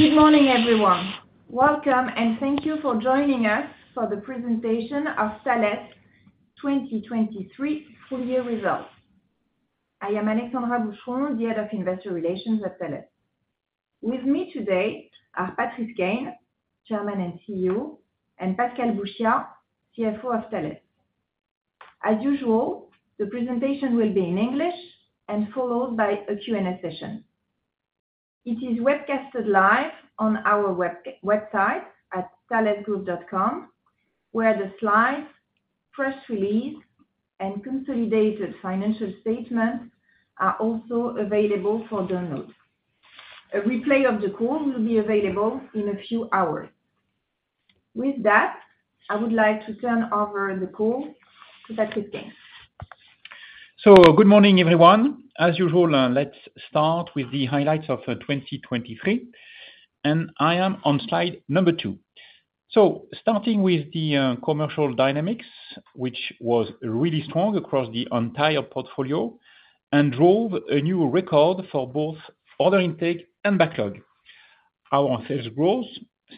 Good morning, every. Welcome, and thank you for joining us for the presentation of Thales' 2023 full-year results. I am Alexandra Boucheron, the Head of Investor Relations at Thales. With me today are Patrice Caine, Chairman and CEO, and Pascal Bouchiat, CFO of Thales. As usual, the presentation will be in English and followed by a Q&A session. It is webcast live on our website at thalesgroup.com, where the slides, press release, and consolidated financial statements are also available for download. A replay of the call will be available in a few hours. With that, I would like to turn over the call to Patrice Caine. So good morning, every. As usual, let's start with the highlights of 2023, and I am on slide number 2. So starting with the commercial dynamics, which was really strong across the entire portfolio and drove a new record for both order intake and backlog. Our sales growth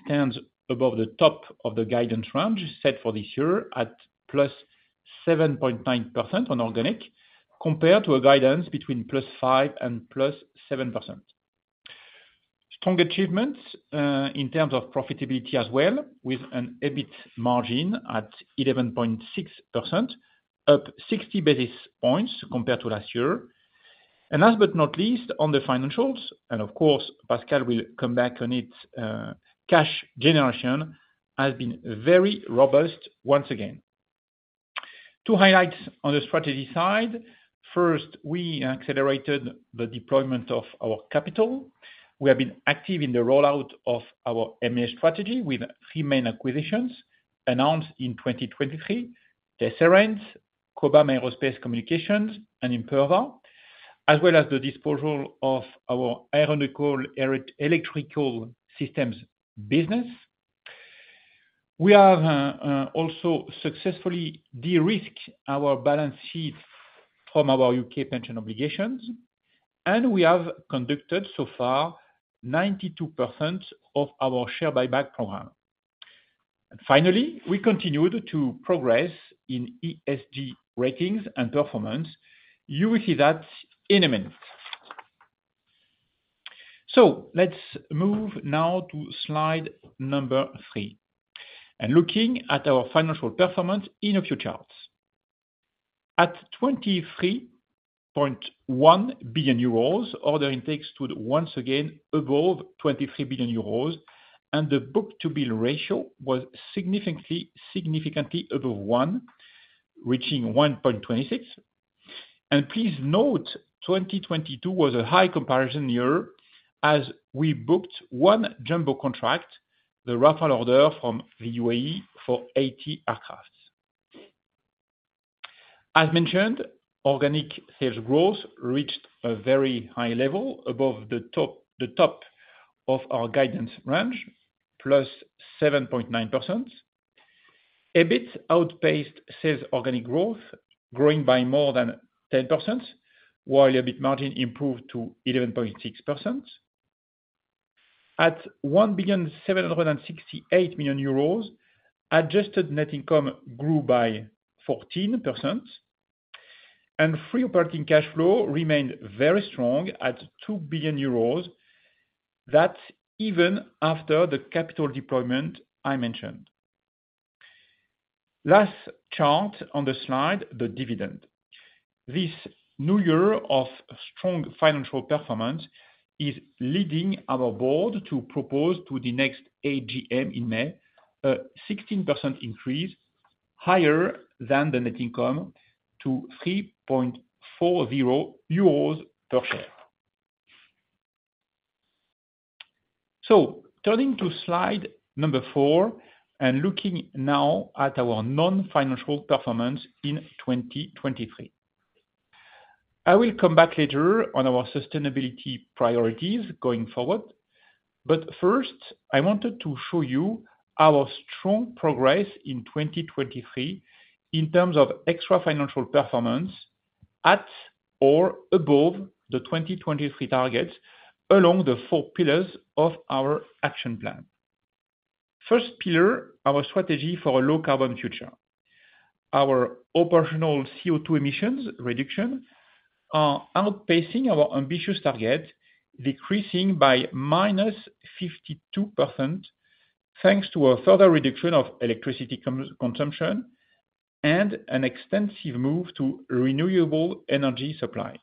stands above the top of the guidance range set for this year at +7.9% on organic, compared to a guidance between +5% and +7%. Strong achievements in terms of profitability as well, with an EBIT margin at 11.6%, up 60 basis points compared to last year. And last but not least, on the financials, and of course, Pascal will come back on it, cash generation has been very robust once again. 2 highlights on the strategy side. First, we accelerated the deployment of our capital. We have been active in the rollout of our M&A strategy with 3 main acquisitions announced in 2023: Tesserent, Cobham Aerospace Communications, and Imperva, as well as the disposal of our iron-coal electrical systems business. We have also successfully de-risked our balance sheet from our UK pension obligations, and we have conducted so far 92% of our share buyback program. Finally, we continued to progress in ESG ratings and performance. You will see that in a minute. Let's move now to slide number 3 and look at our financial performance in a few charts. At € 23.1 billion, order intakes stood once again above € 23 billion, and the book-to-bill ratio was significantly above 1, reaching 1.26. Please note, 2022 was a high comparison year as we booked 1 jumbo contract, the Rafale order from the UAE, for 80 aircraft. As mentid, organic sales growth reached a very high level, above the top of our guidance range, +7.9%. EBIT outpaced sales organic growth, growing by more than 10%, while EBIT margin improved to 11.6%. At € 1.768 million, adjusted net income grew by 14%, and free operating cash flow remained very strong at € 2 billion, that's even after the capital deployment I mentid. Last chart on the slide, the dividend. This new year of strong financial performance is leading our board to propose to the next AGM in May a 16% increase, higher than the net income, to € 3.40 per share. So turning to slide number four and looking now at our non-financial performance in 2023. I will come back later on our sustainability priorities going forward, but first, I wanted to show you our strong progress in 2023 in terms of extrafinancial performance at or above the 2023 targets along the four pillars of our action plan. First pillar, our strategy for a low-carbon future. Our operational CO2 emissions reduction are outpacing our ambitious target, decreasing by -52% thanks to a further reduction of electricity consumption and an extensive move to renewable energy supply.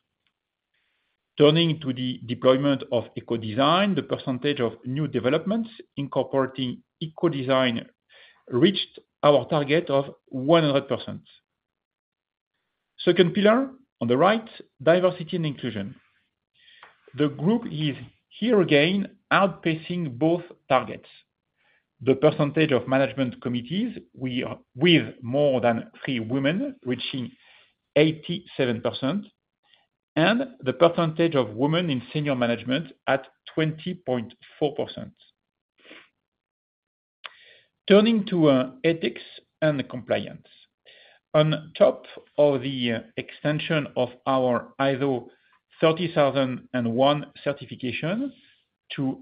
Turning to the deployment of eco-design, the percentage of new developments incorporating eco-design reached our target of 100%. Second pillar on the right, diversity and inclusion. The group is here again outpacing both targets: the percentage of management committees with more than three women, reaching 87%, and the percentage of women in senior management at 20.4%. Turning to ethics and compliance. On top of the extension of our ISO 37001 certification to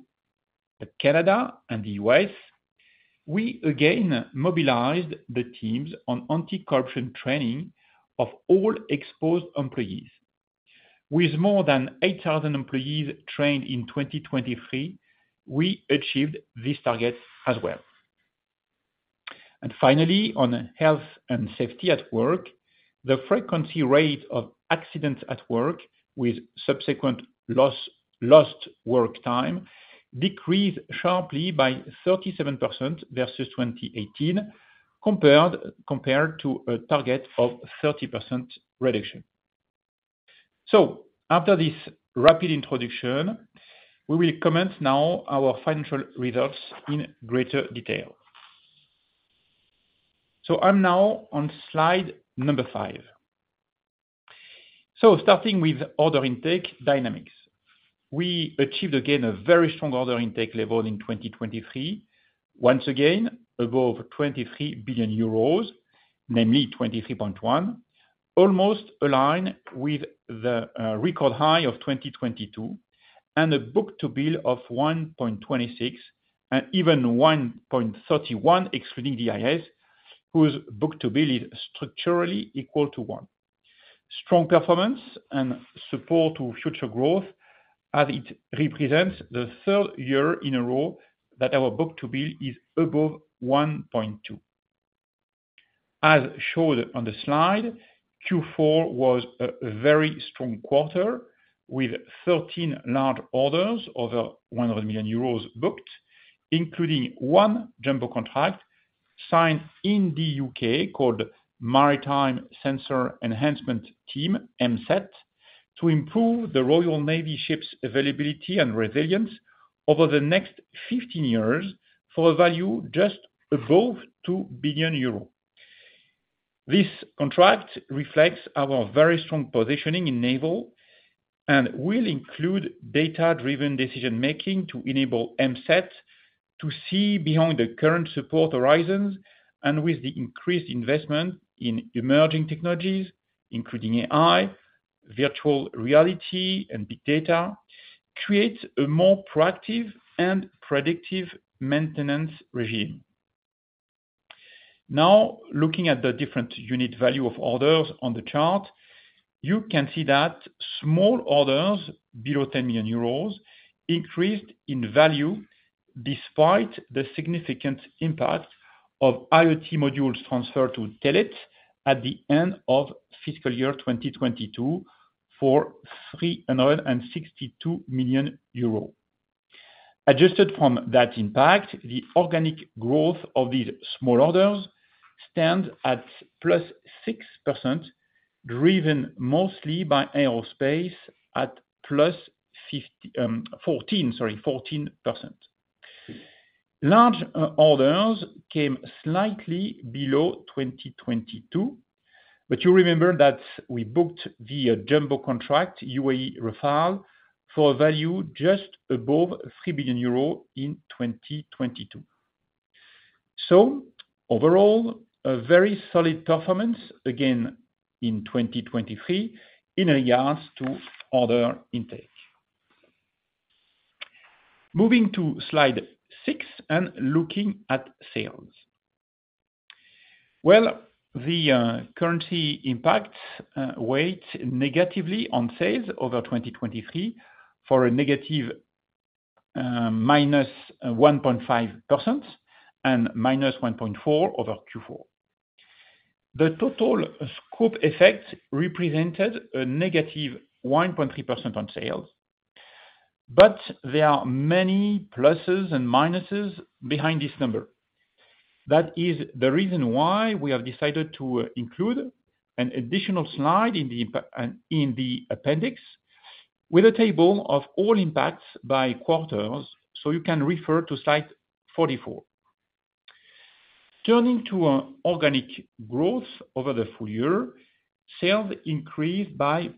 Canada and the U.S, we again mobilized the teams on anti-corruption training of all exposed employees. With more than 8,000 employees trained in 2023, we achieved these targets as well. Finally, on health and safety at work, the frequency rate of accidents at work with subsequent lost work time decreased sharply by 37% versus 2018, compared to a target of 30% reduction. After this rapid introduction, we will comment now our financial results in greater detail. I'm now on slide number five. Starting with order intake dynamics. We achieved again a very strong order intake level in 2023, once again above € 23 billion, namely € 23.1 billion, almost aligned with the record high of 2022 and a book-to-bill of 1.26 and even 1.31, excluding the DIS, whose book-to-bill is structurally equal to 1. Strong performance and support to future growth as it represents the third year in a row that our book-to-bill is above 1.2. As shown on the slide, Q4 was a very strong quarter with 13 large orders over € 100 million booked, including 1 jumbo contract signed in the UK called Maritime Sensor Enhancement Team, MSET, to improve the Royal Navy ships' availability and resilience over the next 5 years for a value just above € 2 billion. This contract reflects our very strong positioning in naval and will include data-driven decision-making to enable MSET to see beyond the current support horizons and, with the increased investment in emerging technologies, including AI, virtual reality, and big data, create a more proactive and predictive maintenance regime. Now, looking at the different unit value of orders on the chart, you can see that small orders below € 10 million increased in value despite the significant impact of IoT modules transferred to Telit at the end of fiscal year 2022 for € 362 million. Adjusted from that impact, the organic growth of these small orders stands at +6%, driven mostly by aerospace at + 14%. Large orders came slightly below 2022, but you remember that we booked the jumbo contract, UAE Rafale, for a value just above € 3 billion in 2022. So overall, a very solid performance again in 2023 in regards to order intake. Moving to slide 6 and looking at sales. Well, the currency impacts weighed negatively on sales over 2023 for a negative -1.5% and -1.4% over Q4. The total scope effect represented a -1.3% on sales, but there are many pluses and minuses behind this number. That is the reason why we have decided to include an additional slide in the appendix with a table of all impacts by quarters, so you can refer to slide 44. Turning to organic growth over the full year, sales increased by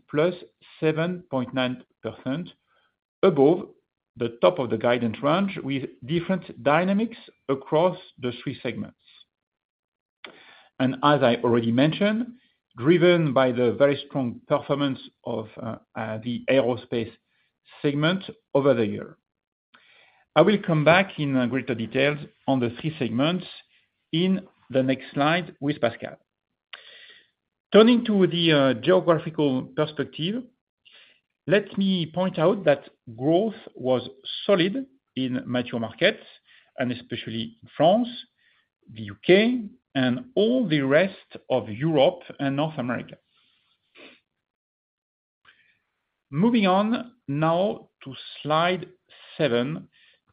+7.9% above the top of the guidance range with different dynamics across the three segments. As I already mentid, driven by the very strong performance of the aerospace segment over the year. I will come back in greater details on the three segments in the next slide with Pascal. Turning to the geographical perspective, let me point out that growth was solid in mature markets, and especially France, the UK, and all the rest of Europe and North America. Moving on now to slide 7,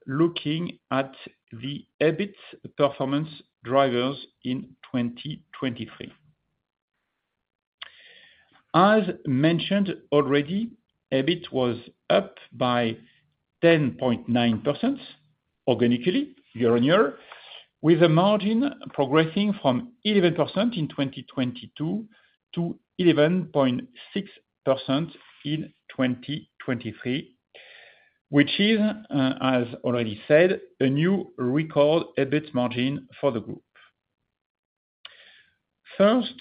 looking at the EBIT performance drivers in 2023. As mentid already, EBIT was up by 10.9% organically year-on-year, with a margin progressing from 11% in 2022 to 11.6% in 2023, which is, as already said, a new record EBIT margin for the group. First,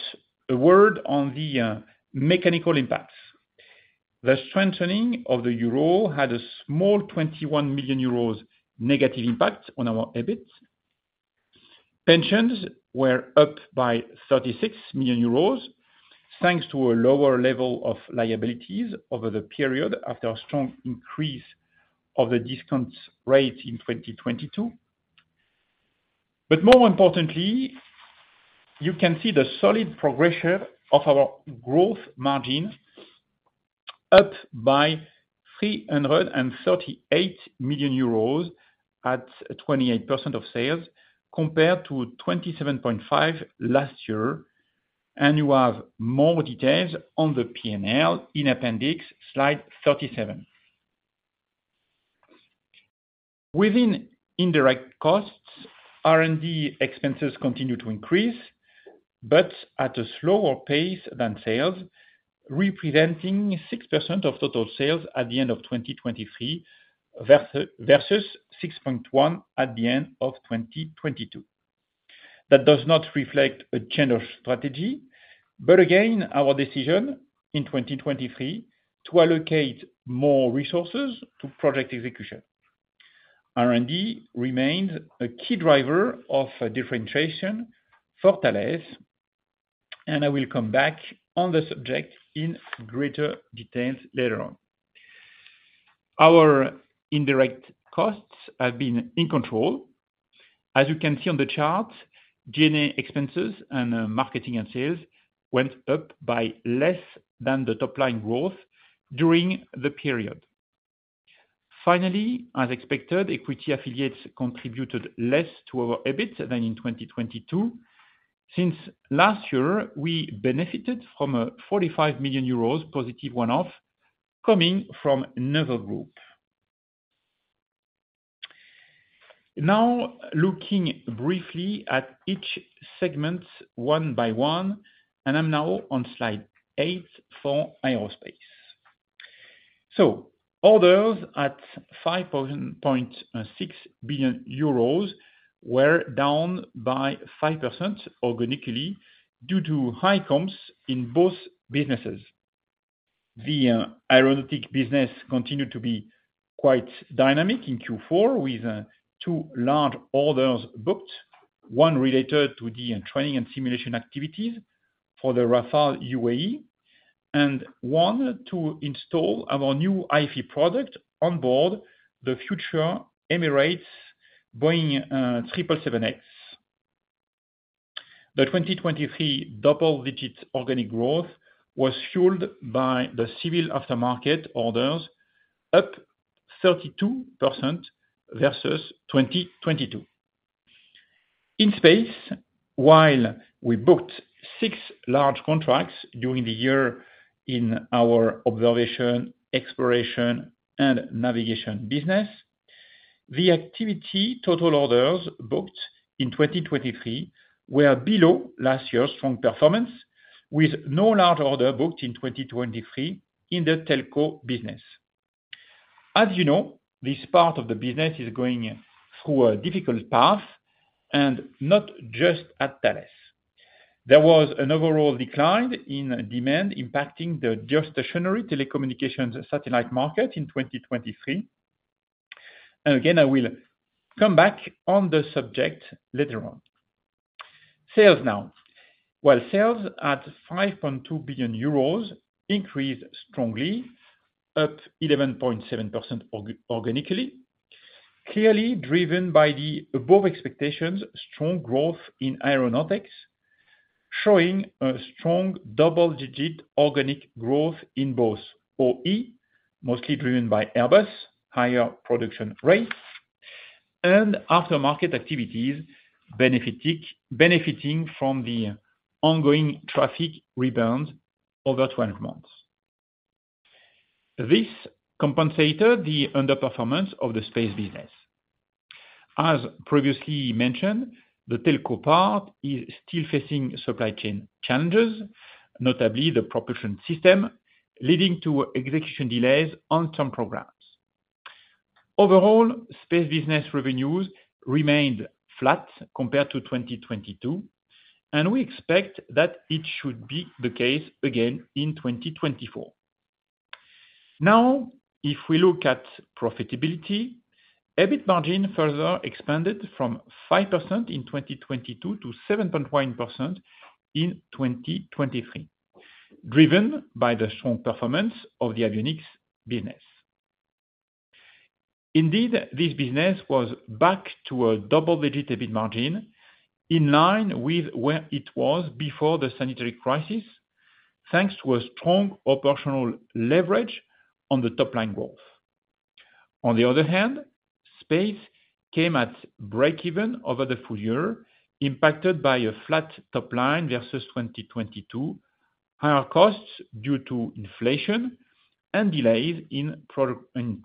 a word on the mechanical impacts. The strengthening of the euro had a small € 21 million negative impact on our EBIT. Pensions were up by € 36 million thanks to a lower level of liabilities over the period after a strong increase of the discount rate in 2022. But more importantly, you can see the solid progression of our growth margin up by € 338 million at 28% of sales, compared to 27.5% last year, and you have more details on the P&L in appendix slide 37. Within indirect costs, R&D expenses continue to increase, but at a slower pace than sales, representing 6% of total sales at the end of 2023 versus 6.1% at the end of 2022. That does not reflect a change of strategy, but again, our decision in 2023 to allocate more resources to project execution. R&D remains a key driver of differentiation for Thales, and I will come back on the subject in greater details later on. Our indirect costs have been in control. As you can see on the chart, G&A expenses and marketing and sales went up by less than the top-line growth during the period. Finally, as expected, equity affiliates contributed less to our EBIT than in 2022. Since last year, we benefited from a € 45 million positive -off coming from Naval Group. Now, looking briefly at each segment 1 by 1, and I'm now on slide 8 for aerospace. So orders at € 5.6 billion were down by 5% organically due to high comps in both businesses. The aeronautics business continued to be quite dynamic in Q4 with two large orders booked, 1 related to the training and simulation activities for the Rafale UAE, and 1 to install our new Hi-Fi product onboard the future Emirates Boeing 777X. The 2023 double-digit organic growth was fueled by the civil aftermarket orders, up 32% versus 2022. In space, while we booked six large contracts during the year in our observation, exploration, and navigation business, the activity total orders booked in 2023 were below last year's strong performance, with no large order booked in 2023 in the telco business. As you know, this part of the business is going through a difficult path, and not just at Thales. There was an overall decline in demand impacting the geostationary telecommunications satellite market in 2023. And again, I will come back on the subject later on. Sales now. Well, sales at € 5.2 billion increased strongly, up 11.7% organically, clearly driven by the above expectations strong growth in aeronautics, showing a strong double-digit organic growth in both OE, mostly driven by Airbus, higher production rate, and aftermarket activities benefiting from the ongoing traffic rebound over 12 months. This compensated the underperformance of the space business. As previously mentid, the telco part is still facing supply chain challenges, notably the propulsion system, leading to execution delays on term programs. Overall, space business revenues remained flat compared to 2022, and we expect that it should be the case again in 2024. Now, if we look at profitability, EBIT margin further expanded from 5% in 2022 to 7.1% in 2023, driven by the strong performance of the avionics business. Indeed, this business was back to a double-digit EBIT margin in line with where it was before the sanitary crisis, thanks to a strong operational leverage on the top-line growth. On the other hand, space came at break-even over the full year, impacted by a flat top-line versus 2022, higher costs due to inflation, and delays in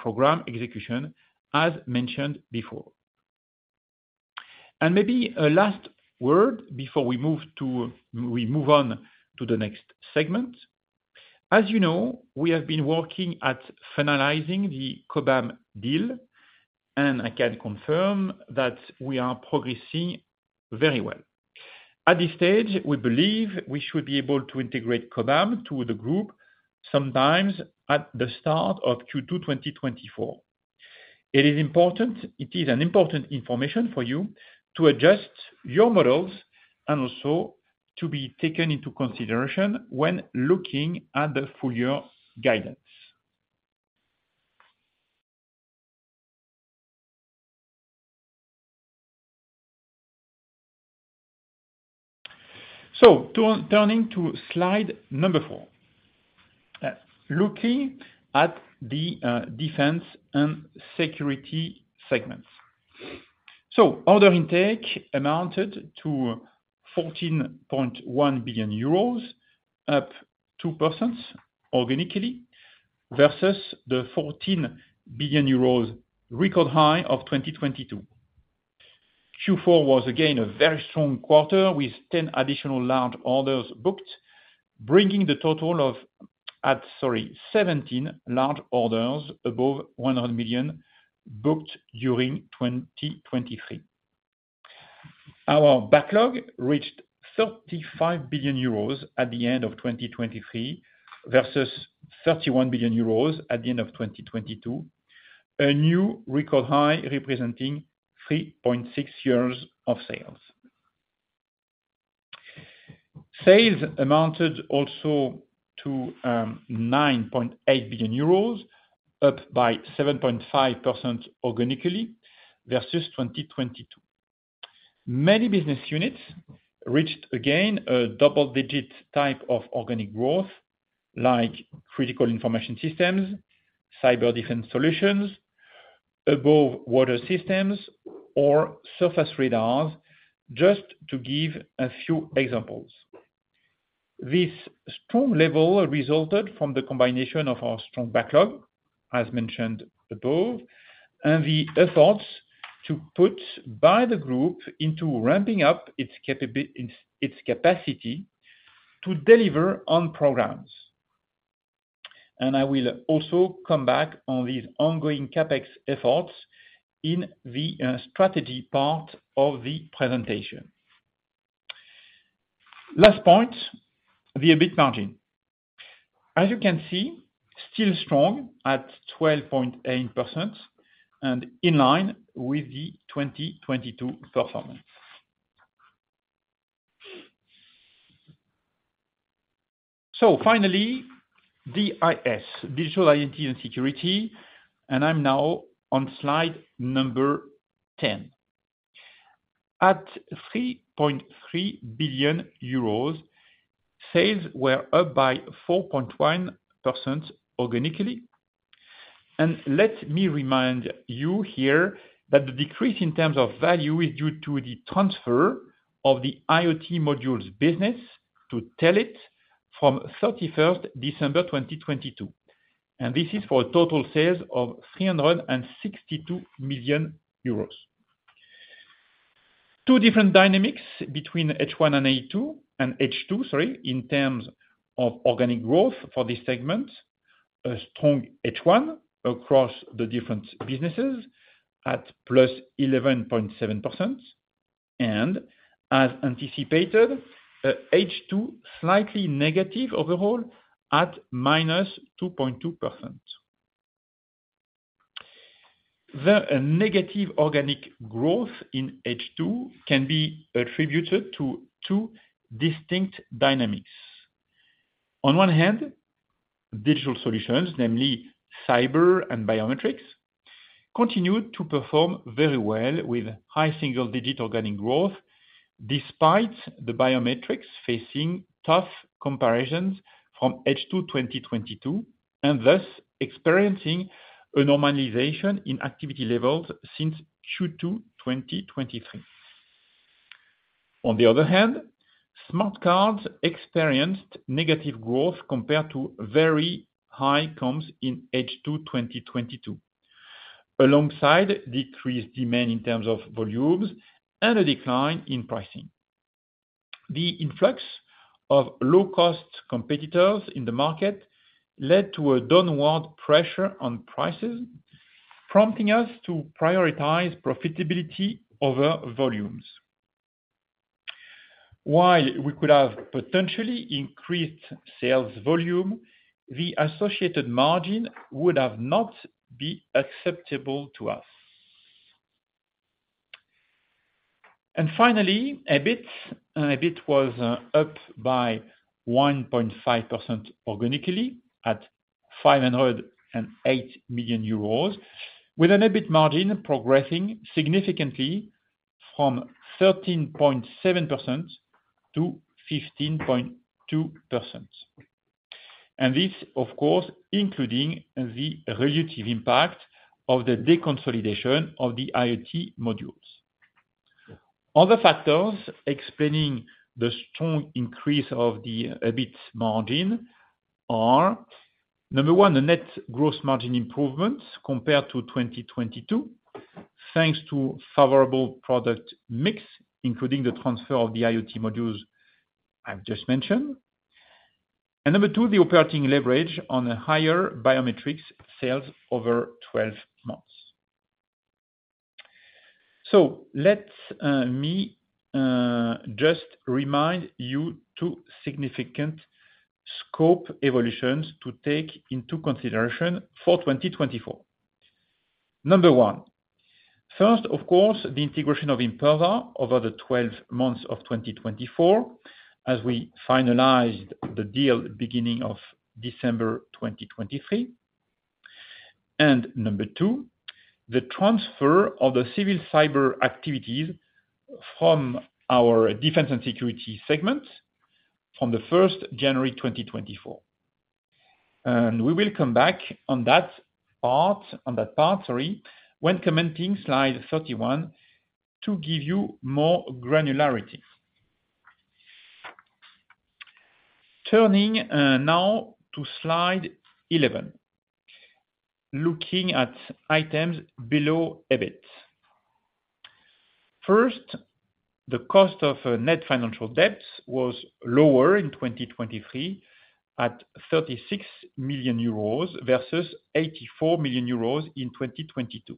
program execution, as mentid before. Maybe a last word before we move on to the next segment. As you know, we have been working at finalizing the Cobham deal, and I can confirm that we are progressing very well. At this stage, we believe we should be able to integrate Cobham to the group sometime at the start of Q2 2024. It is important. It is important information for you to adjust your models and also to be taken into consideration when looking at the full-year guidance. Turning to slide number 4, looking at the defense and security segments. Order intake amounted to € 14.1 billion, up 2% organically versus the € 14 billion record high of 2022. Q4 was again a very strong quarter with 10 additional large orders booked, bringing the total of, sorry, 17 large orders above € 100 million booked during 2023. Our backlog reached € 35 billion at the end of 2023 versus € 31 billion at the end of 2022, a new record high representing 3.6 years of sales. Sales amounted also to € 9.8 billion, up by 7.5% organically versus 2022. Many business units reached again a double-digit type of organic growth, like critical information systems, cyber defense solutions, above-water systems, or surface radars, just to give a few examples. This strong level resulted from the combination of our strong backlog, as mentid above, and the efforts to put by the group into ramping up its capacity to deliver on programs. I will also come back on these ongoing CapEx efforts in the strategy part of the presentation. Last point, the EBIT margin. As you can see, still strong at 12.8% and in line with the 2022 performance. Finally, DIS, Digital Identity and Security, and I'm now on slide number 10. At € 3.3 billion, sales were up by 4.1% organically. And let me remind you here that the decrease in terms of value is due to the transfer of the IoT modules business to Telit from 31st December 2022. And this is for a total sales of € 362 million. Two different dynamics between H1 and H2, sorry, in terms of organic growth for this segment: a strong H1 across the different businesses at +11.7%, and as anticipated, H2 slightly negative overall at -2.2%. The negative organic growth in H2 can be attributed to two distinct dynamics. On hand, digital solutions, namely Cyber and Biometrics, continued to perform very well with high single-digit organic growth despite the biometrics facing tough comparisons from H2 2022 and thus experiencing a normalization in activity levels since Q2 2023. On the other hand, smart cards experienced negative growth compared to very high comps in H2 2022, alongside decreased demand in terms of volumes and a decline in pricing. The influx of low-cost competitors in the market led to a downward pressure on prices, prompting us to prioritize profitability over volumes. While we could have potentially increased sales volume, the associated margin would have not been acceptable to us. And finally, EBIT was up by 1.5% organically at € 508 million, with an EBIT margin progressing significantly from 13.7% to 15.2%. And this, of course, including the relative impact of the deconsolidation of the IoT modules. Other factors explaining the strong increase of the EBIT margin are: number 1, the net gross margin improvements compared to 2022, thanks to a favorable product mix, including the transfer of the IoT modules I've just mentid. And number two, the operating leverage on higher biometrics sales over 12 months. So let me just remind you of two significant scope evolutions to take into consideration for 2024. Number 1. First, of course, the integration of Imperva over the 12 months of 2024 as we finalized the deal beginning of December 2023. And number two, the transfer of the civil cyber activities from our defense and security segment from the 1st January 2024. And we will come back on that part, sorry, when commenting slide 3 to give you more granularity. Turning now to slide 11, looking at items below EBIT. First, the cost of net financial debts was lower in 2023 at € 36 million versus € 84 million in 2022,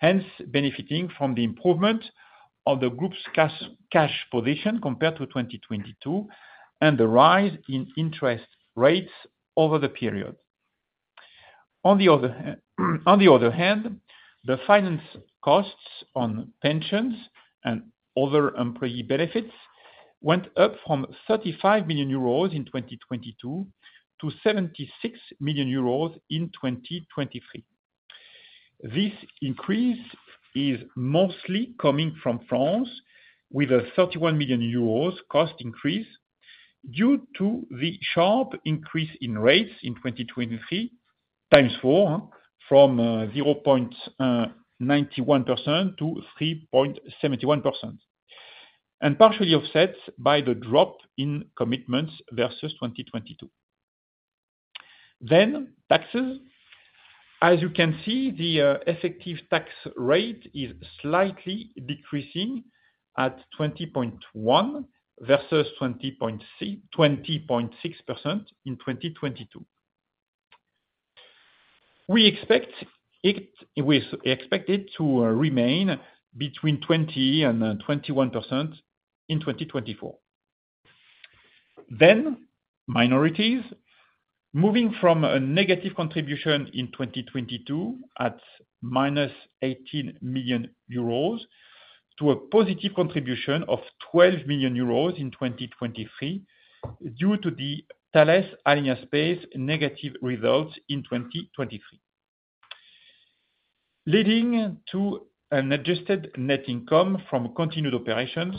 hence benefiting from the improvement of the group's cash position compared to 2022 and the rise in interest rates over the period. On the other hand, the finance costs on pensions and other employee benefits went up from € 35 million in 2022 to € 76 million in 2023. This increase is mostly coming from France with a € 31 million cost increase due to the sharp increase in rates in 2023 times four, from 0.91% to 3.71%, and partially offset by the drop in commitments versus 2022. Then taxes. As you can see, the effective tax rate is slightly decreasing at 20.1% versus 20.6% in 2022. We expect it to remain between 20% and 21% in 2024. Then minorities. Moving from a negative contribution in 2022 at minus € 18 million to a positive contribution of € 12 million in 2023 due to the Thales Alenia Space negative results in 2023. Leading to an adjusted net income from continued operations,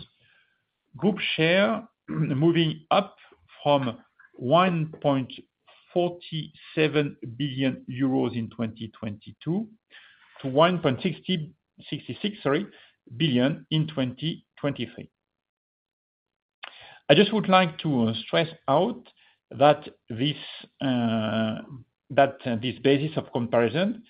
group share moving up from € 1.47 billion in 2022 to € 1.66 billion in 2023. I just would like to stress out that this basis of comparison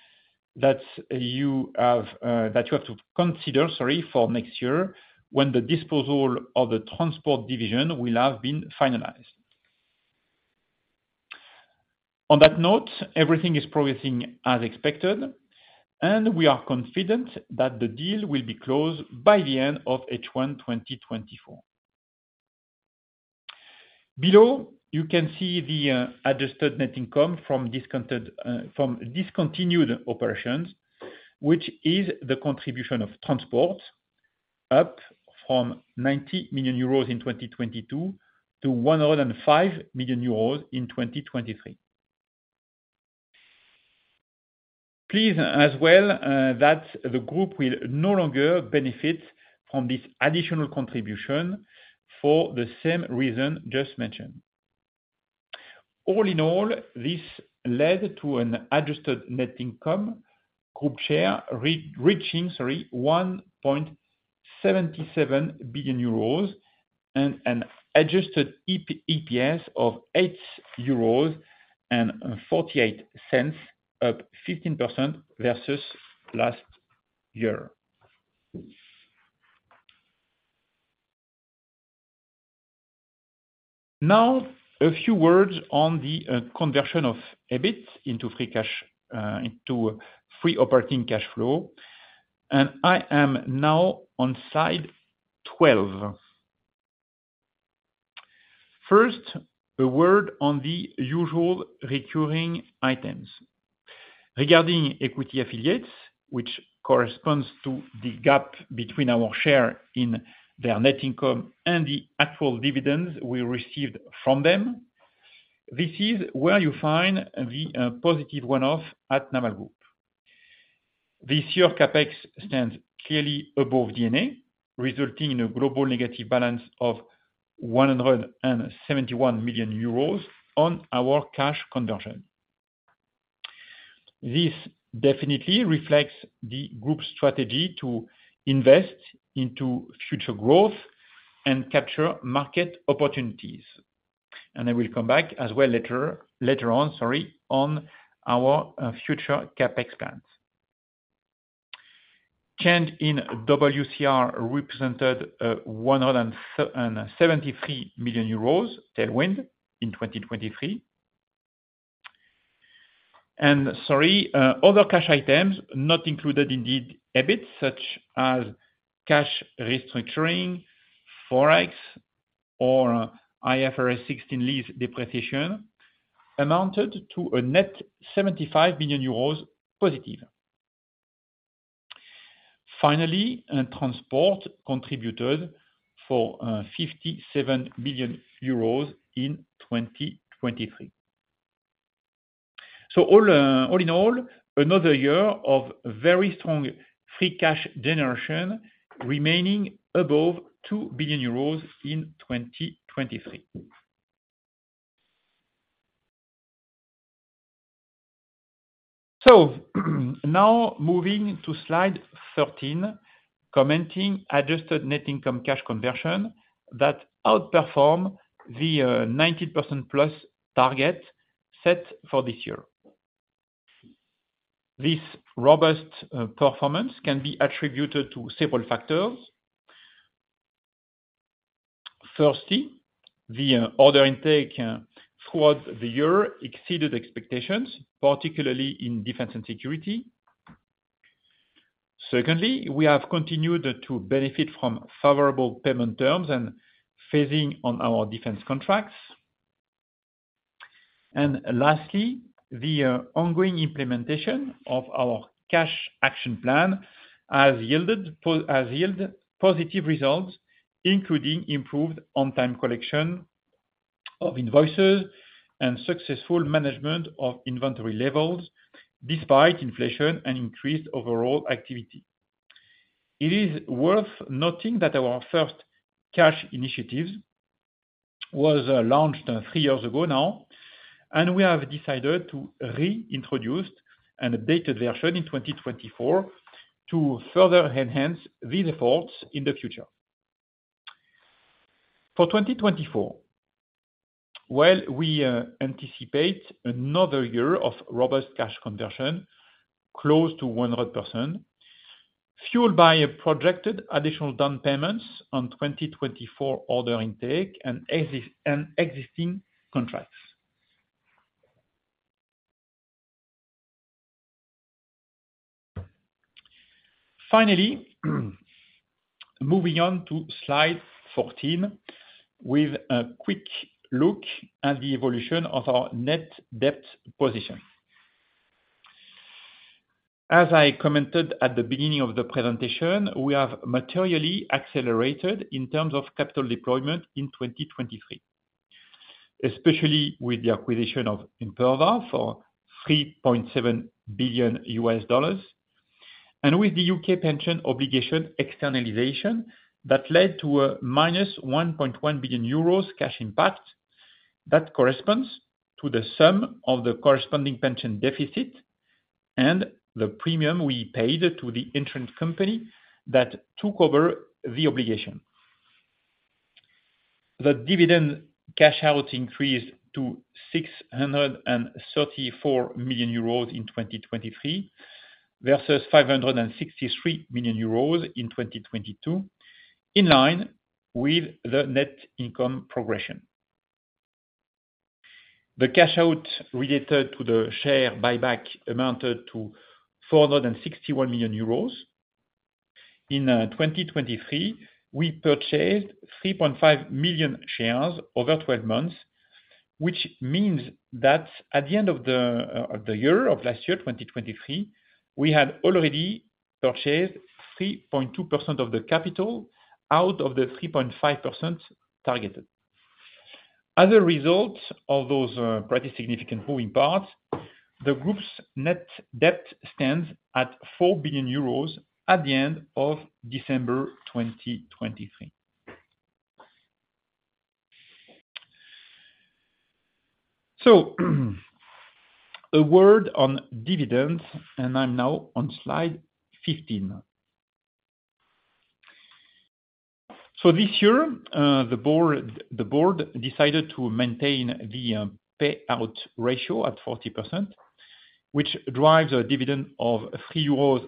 that you have to consider, sorry, for next year when the disposal of the transport division will have been finalized. On that note, everything is progressing as expected, and we are confident that the deal will be closed by the end of H1 2024. Below, you can see the adjusted net income from discontinued operations, which is the contribution of transport, up from € 90 million in 2022 to € 05 million in 2023. Please note as well that the group will no longer benefit from this additional contribution for the same reason just mentid. All in all, this led to an adjusted net income, group share reaching € .77 billion and an adjusted EPS of € 8.48, up 5% versus last year. Now, a few words on the conversion of EBIT into free operating cash flow. I am now on slide 2. First, a word on the usual recurring items. Regarding equity affiliates, which corresponds to the gap between our share in their net income and the actual dividends we received from them. This is where you find the positive -off at Naval Group. This year CapEx stands clearly above D&A, resulting in a global negative balance of € 7 million on our cash conversion. This definitely reflects the group's strategy to invest into future growth and capture market opportunities. And I will come back as well later on, sorry, on our future CapEx plans. Change in WCR represented € 73 million, Tailwind, in 2023. And sorry, other cash items not included in the EBIT, such as cash restructuring, Forex, or IFRS 6 lease depreciation, amounted to a net € 75 million positive. Finally, transport contributed for € 57 million in 2023. All in all, another year of very strong free cash generation remaining above € 2 billion in 2023. Now moving to slide 3, commenting adjusted net income cash conversion that outperformed the 90% plus target set for this year. This robust performance can be attributed to several factors. Firstly, the order intake throughout the year exceeded expectations, particularly in defense and security. Secondly, we have continued to benefit from favorable payment terms and phasing on our defense contracts. And lastly, the ongoing implementation of our cash action plan has yielded positive results, including improved on-time collection of invoices and successful management of inventory levels despite inflation and increased overall activity. It is worth noting that our first cash initiatives were launched three years ago now, and we have decided to reintroduce an updated version in 2024 to further enhance these efforts in the future. For 2024, while we anticipate another year of robust cash conversion close to 100%, fueled by projected additional down payments on 2024 order intake and existing contracts. Finally, moving on to slide 4 with a quick look at the evolution of our net debt position. As I commented at the beginning of the presentation, we have materially accelerated in terms of capital deployment in 2023, especially with the acquisition of Imperva for $3.7 billion. With the UK. pension obligation externalization that led to a -€1. billion cash impact that corresponds to the sum of the corresponding pension deficit and the premium we paid to the insurance company that took over the obligation. The dividend cash out increased to € 634 million in 2023 versus € 563 million in 2022, in line with the net income progression. The cash out related to the share buyback amounted to € 461 million. In 2023, we purchased 3.5 million shares over 12 months, which means that at the end of the year of last year, 2023, we had already purchased 3.2% of the capital out of the 3.5% targeted. As a result of those pretty significant moving parts, the group's net debt stands at € 4 billion at the end of December 2023. A word on dividends, and I'm now on slide 15. This year, the board decided to maintain the payout ratio at 40%, which drives a dividend of €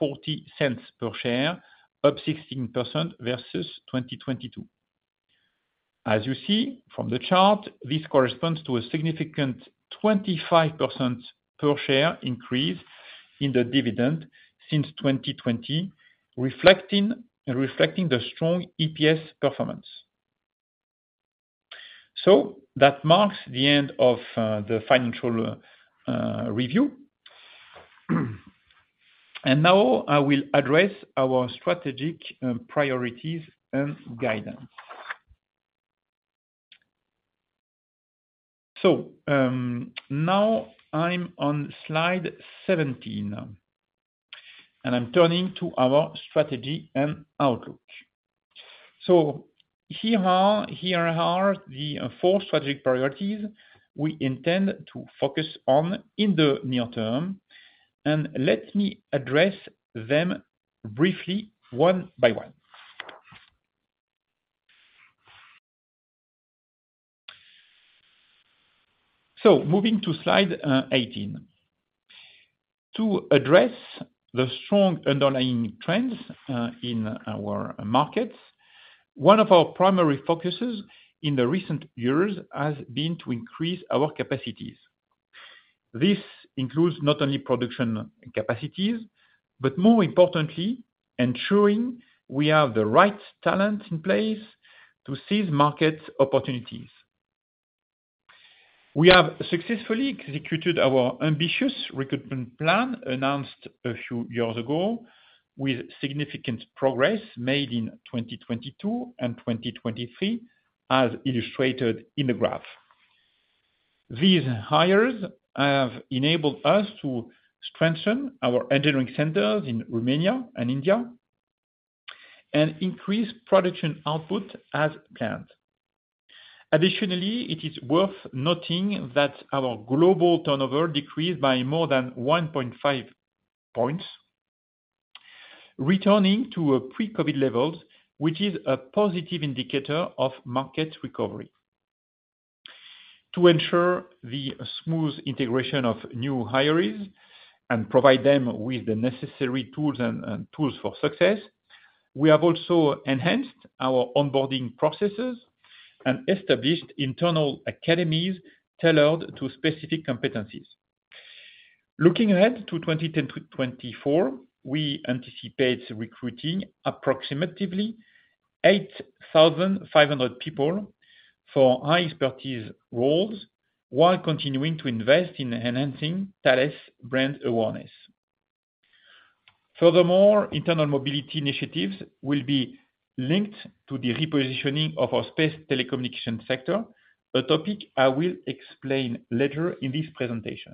3.40 per share, up 16% versus 2022. As you see from the chart, this corresponds to a significant 25% per share increase in the dividend since 2020, reflecting the strong EPS performance. That marks the end of the financial review. Now I will address our strategic priorities and guidance. Now I'm on slide1 7. I'm turning to our strategy and outlook. Here are the four strategic priorities we intend to focus on in the near term, and let me address them briefly by . Moving to slide 18. To address the strong underlying trends in our markets, of our primary focuses in the recent years has been to increase our capacities. This includes not only production capacities, but more importantly, ensuring we have the right talent in place to seize market opportunities. We have successfully executed our ambitious recruitment plan announced a few years ago with significant progress made in 2022 and 2023, as illustrated in the graph. These hires have enabled us to strengthen our engineering centers in Romania and India, and increase production output as planned. Additionally, it is worth noting that our global turnover decreased by more than 1.5 points, returning to pre-COVID levels, which is a positive indicator of market recovery. To ensure the smooth integration of new hires and provide them with the necessary tools for success, we have also enhanced our onboarding processes and established internal academies tailored to specific competencies. Looking ahead to 2024, we anticipate recruiting approximately 8,500 people for high expertise roles while continuing to invest in enhancing Thales brand awareness. Furthermore, internal mobility initiatives will be linked to the repositioning of our space telecommunication sector, a topic I will explain later in this presentation.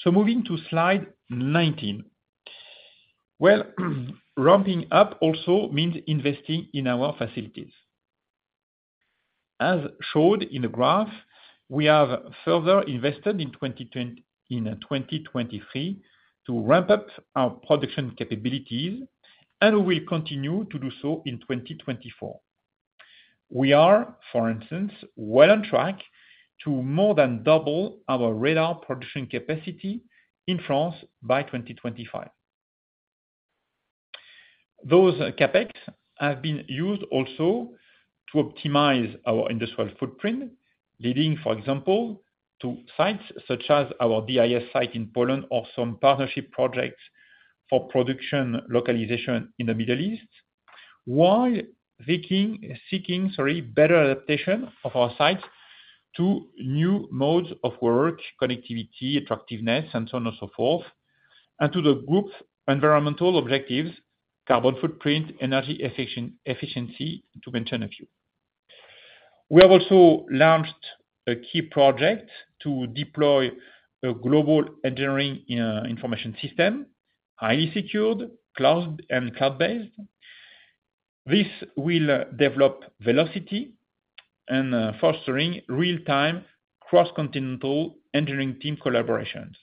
So moving to slide 9. Well, ramping up also means investing in our facilities. As shown in the graph, we have further invested in 2023 to ramp up our production capabilities, and we will continue to do so in 2024. We are, for instance, well on track to more than double our radar production capacity in France by 2025. Those CapEx have been used also to optimize our industrial footprint, leading, for example, to sites such as our DIS site in Poland or some partnership projects for production localization in the Middle East, while seeking better adaptation of our sites to new modes of work, connectivity, attractiveness, and so on and so forth, and to the group's environmental objectives, carbon footprint, energy efficiency, to mention a few. We have also launched a key project to deploy a global engineering information system, highly secured, cloud-based. This will develop velocity and foster real-time cross-continental engineering team collaborations.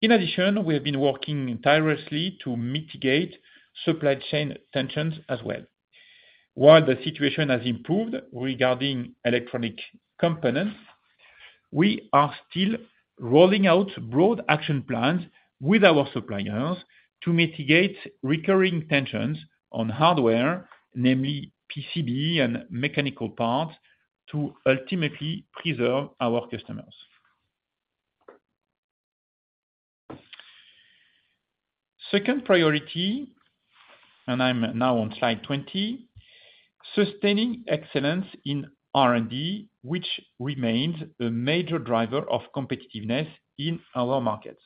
In addition, we have been working tirelessly to mitigate supply chain tensions as well. While the situation has improved regarding electronic compnts, we are still rolling out broad action plans with our suppliers to mitigate recurring tensions on hardware, namely PCB and mechanical parts, to ultimately preserve our customers. Second priority, and I'm now on slide 20, sustaining excellence in R&D, which remains a major driver of competitiveness in our markets.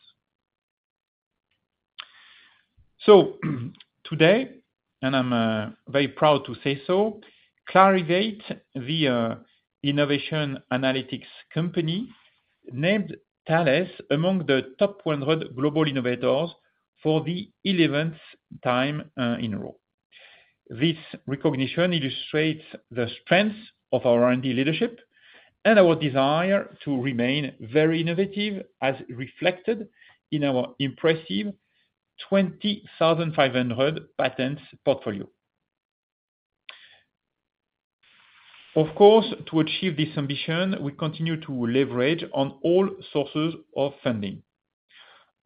So today, and I'm very proud to say so, Clarivate, the innovation analytics company, named Thales among the top 100 global innovators for the 11 time in a row. This recognition illustrates the strength of our R&D leadership and our desire to remain very innovative, as reflected in our impressive 20,500 patents portfolio. Of course, to achieve this ambition, we continue to leverage on all sources of funding.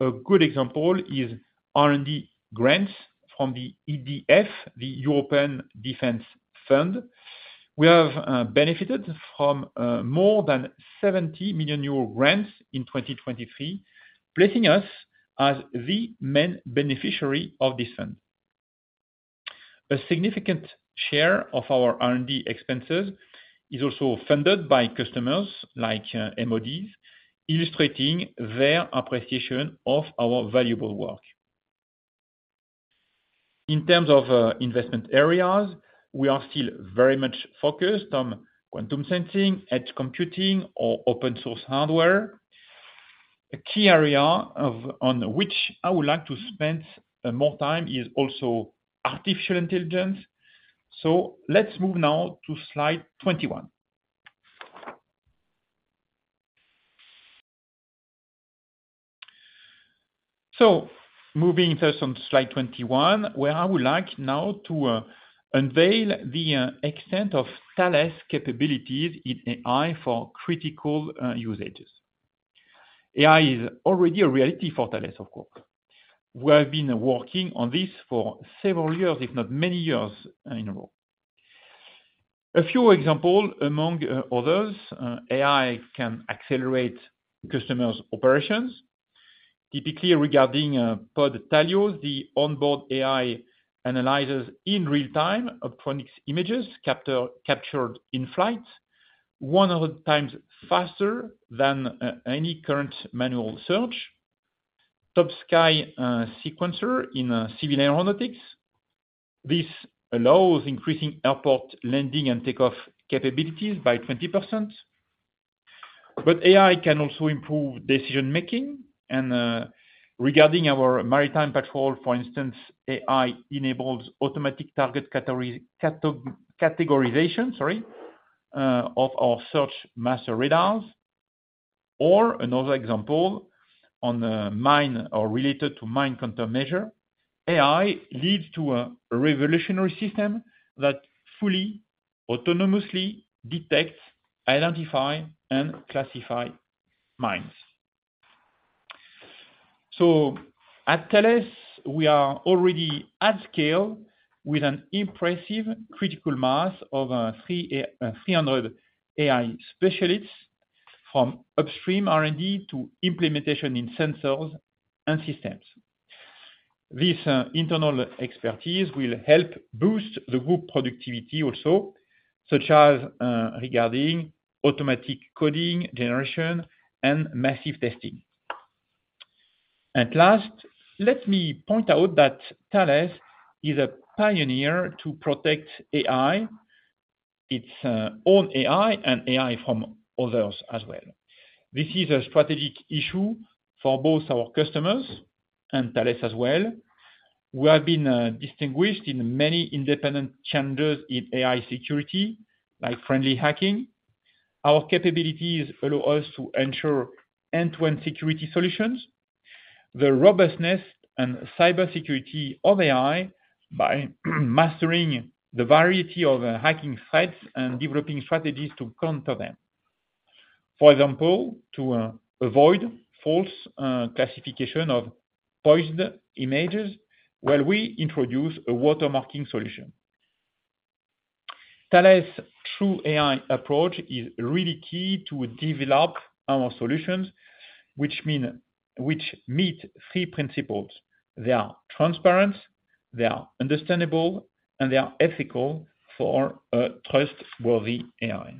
A good example is R&D grants from the EDF, the European Defense Fund. We have benefited from more than € 70 million grants in 2023, placing us as the main beneficiary of this fund. A significant share of our R&D expenses is also funded by customers like MODs, illustrating their appreciation of our valuable work. In terms of investment areas, we are still very much focused on quantum sensing, edge computing, or open-source hardware. A key area on which I would like to spend more time is also artificial intelligence. So let's move now to slide 21. So moving first on slide 21, where I would like now to unveil the extent of Thales capabilities in AI for critical usages. AI is already a reality for Thales, of course. We have been working on this for several years, if not many years in a row. A few examples, among others, AI can accelerate customers' operations. Typically regarding Pod Talios, the onboard AI analyzes in real-time optronics images captured in flight, 100 times faster than any current manual search. TopSky Sequencer in civil aeronautics. This allows increasing airport landing and takeoff capabilities by 20%. But AI can also improve decision-making. And regarding our maritime patrol, for instance, AI enables automatic target categorization of our Search Master radars. Or another example on mine or related to mine countermeasure, AI leads to a revolutionary system that fully, autonomously detects, identifies, and classifies mines. So at Thales, we are already at scale with an impressive critical mass of 300 AI specialists from upstream R&D to implementation in sensors and systems. This internal expertise will help boost the group productivity also, such as regarding automatic coding generation and massive testing. At last, let me point out that Thales is a pier to protect AI, its own AI, and AI from others as well. This is a strategic issue for both our customers and Thales as well. We have been distinguished in many independent challenges in AI security, like friendly hacking. Our capabilities allow us to ensure end-to-end security solutions, the robustness and cybersecurity of AI by mastering the variety of hacking threats and developing strategies to counter them. For example, to avoid false classification of poisd images, well, we introduce a watermarking solution. Thales' trustworthy AI approach is really key to develop our solutions, which meet three principles. They are transparent, they are understandable, and they are ethical for a trustworthy AI.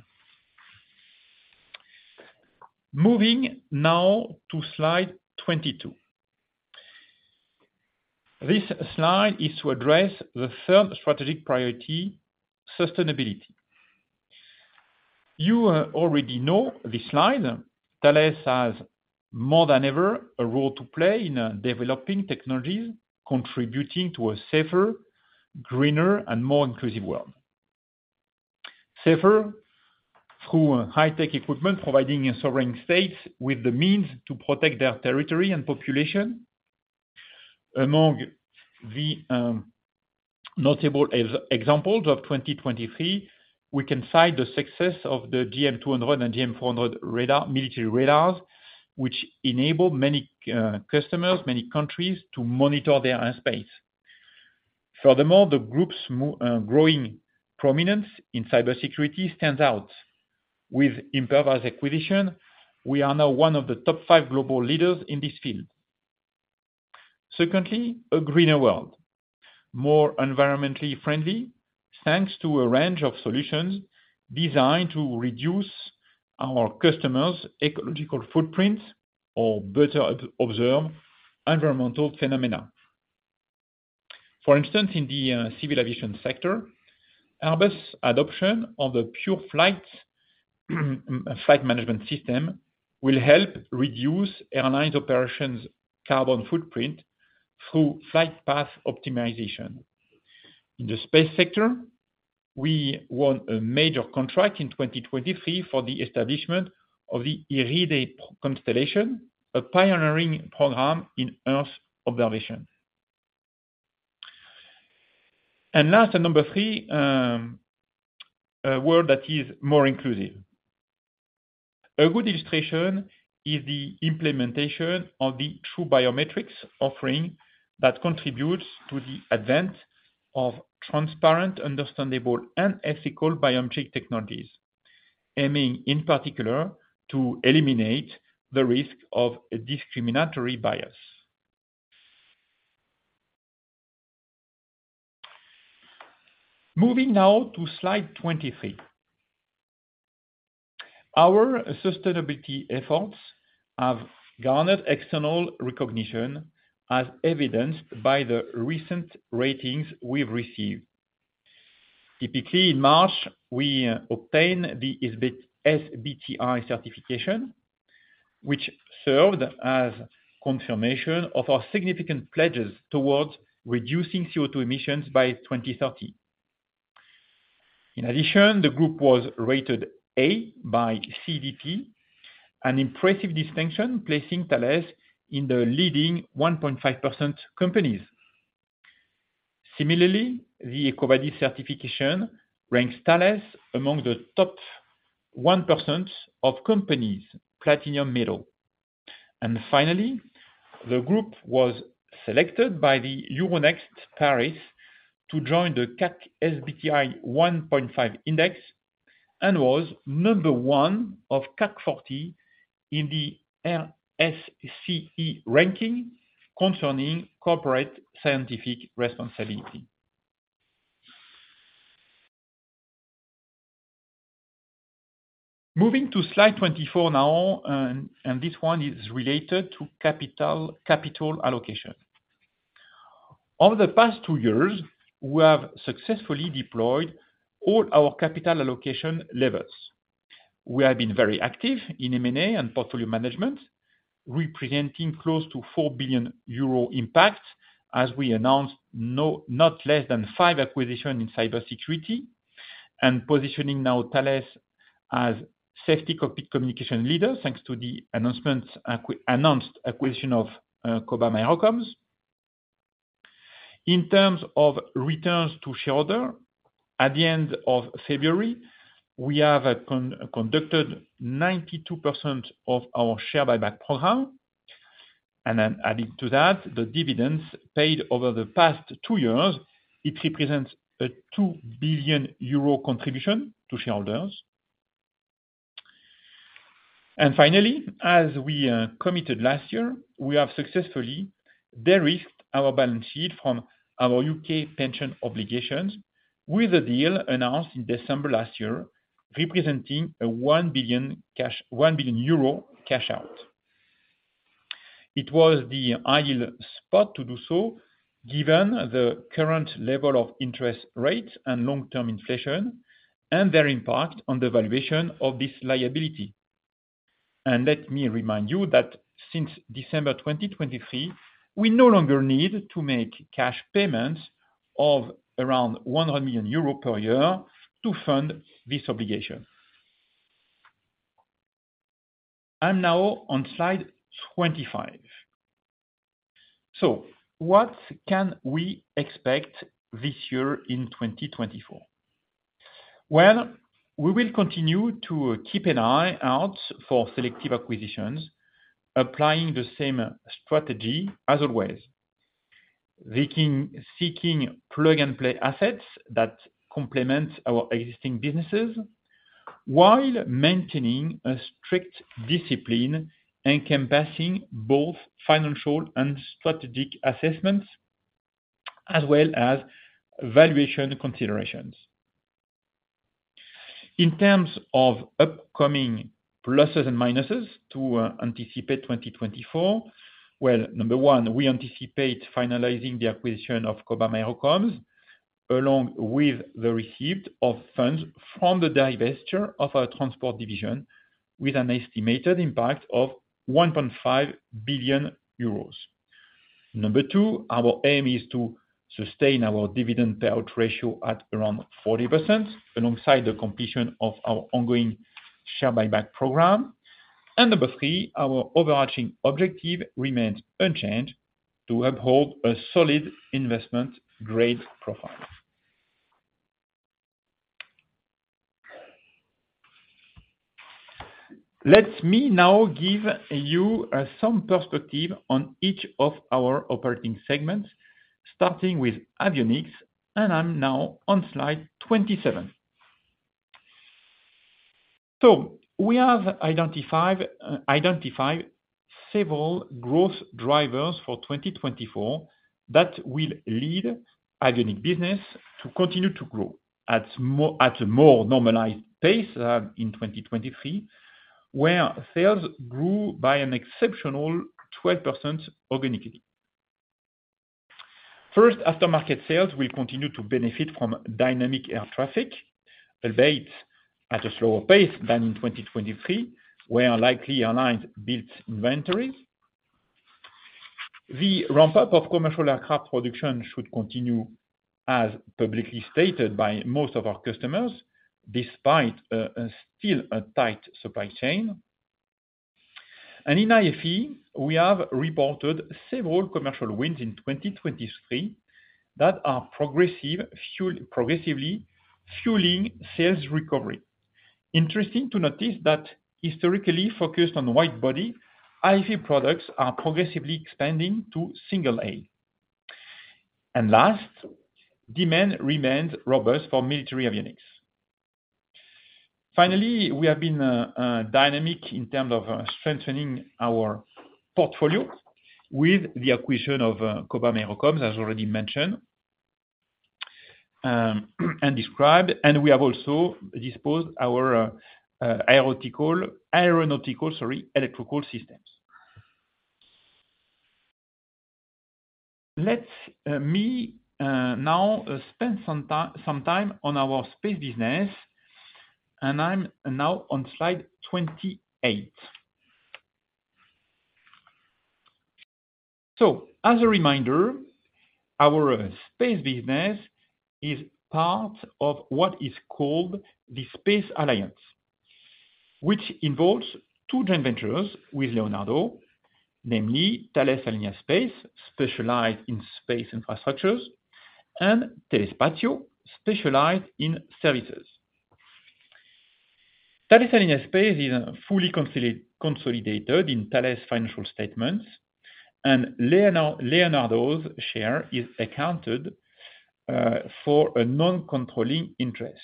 Moving now to slide 22. This slide is to address the third strategic priority, sustainability. You already know this slide. Thales has more than ever a role to play in developing technologies contributing to a safer, greener, and more inclusive world. Safer through high-tech equipment providing sovereign states with the means to protect their territory and population. Among the notable examples of 2023, we can cite the success of the GM-200 and GM-400 military radars, which enable many customers, many countries to monitor their airspace. Furthermore, the group's growing prominence in cybersecurity stands out. With Imperva's acquisition, we are now of the top five global leaders in this field. Secondly, a greener world. More environmentally friendly, thanks to a range of solutions designed to reduce our customers' ecological footprint or better observe environmental phenomena. For instance, in the civil aviation sector, Airbus' adoption of the PureFlyt management system will help reduce airline operations' carbon footprint through flight path optimization. In the space sector, we won a major contract in 2023 for the establishment of the Iride constellation, a piering program in Earth observation. Last, and number three, a world that is more inclusive. A good illustration is the implementation of the True Biometrics offering that contributes to the advent of transparent, understandable, and ethical biometric technologies, aiming in particular to eliminate the risk of discriminatory bias. Moving now to slide 23. Our sustainability efforts have garnered external recognition, as evidenced by the recent ratings we've received. Typically, in March, we obtain the SBTi certification, which served as confirmation of our significant pledges towards reducing CO2 emissions by 2030. In addition, the group was rated A by CDP, an impressive distinction placing Thales in the leading .5% companies. Similarly, the EcoVadis certification ranks Thales among the top % of companies, platinum medal. Finally, the group was selected by the Euronext Paris to join the CAC SBT 1.5° index and was number of CAC 40 in the RSCE ranking concerning corporate scientific responsibility. Moving to slide 24 now, and this is related to capital allocation. Over the past two years, we have successfully deployed all our capital allocation levels. We have been very active in M&A and portfolio management, representing close to € 4 billion impact as we announced not less than 5 acquisitions in cybersecurity, and positioning now Thales as safety cockpit communication leader thanks to the announced acquisition of Cobham Aerospace Communications. In terms of returns to shareholders, at the end of February, we have conducted 92% of our share buyback program. Then adding to that, the dividends paid over the past two years, it represents a € 2 billion contribution to shareholders. Finally, as we committed last year, we have successfully derisked our balance sheet from our UK. pension obligations with a deal announced in December last year, representing a € 1 billion cash out. It was the ideal spot to do so, given the current level of interest rates and long-term inflation, and their impact on the valuation of this liability. Let me remind you that since December 2023, we no longer need to make cash payments of around € 100 million per year to fund this obligation. I'm now on slide 25. What can we expect this year in 2024? Well, we will continue to keep an eye out for selective acquisitions, applying the same strategy as always. Seeking plug-and-play assets that complement our existing businesses while maintaining a strict discipline encompassing both financial and strategic assessments, as well as valuation considerations. In terms of upcoming pluses and minuses to anticipate 2024, well, number, we anticipate finalizing the acquisition of Cobham Aerospace Communications along with the receipt of funds from the divestiture of our transport division with an estimated impact of € 1.5 billion. Number 2, our aim is to sustain our dividend payout ratio at around 40% alongside the completion of our ongoing share buyback program. Number three, our overarching objective remains unchanged to uphold a solid investment-grade profile. Let me now give you some perspective on each of our operating segments, starting with avionics, and I'm now on slide 27. We have identified several growth drivers for 2024 that will lead avionics business to continue to grow at a more normalized pace in 2023, where sales grew by an exceptional 2% organically. First, aftermarket sales will continue to benefit from dynamic air traffic, albeit at a slower pace than in 2023, where likely airlines built inventories. The ramp-up of commercial aircraft production should continue, as publicly stated by most of our customers, despite still a tight supply chain. In IFE, we have reported several commercial wins in 2023 that are progressively fueling sales recovery. Interesting to notice that historically focused on wide-body IFE products are progressively expanding to single-aisle. Last, demand remains robust for military avionics. Finally, we have been dynamic in terms of strengthening our portfolio with the acquisition of Cobham Aerospace Communications, as already mentid and described, and we have also disposed of our aeronautical systems. Let me now spend some time on our space business, and I'm now on slide 28. So as a reminder, our space business is part of what is called the Space Alliance, which involves two joint ventures with Leonardo, namely Thales Alenia Space, specialized in space infrastructures, and Telespazio, specialized in services. Thales Alenia Space is fully consolidated in Thales' financial statements, and Leonardo's share is accounted for as a non-controlling interest.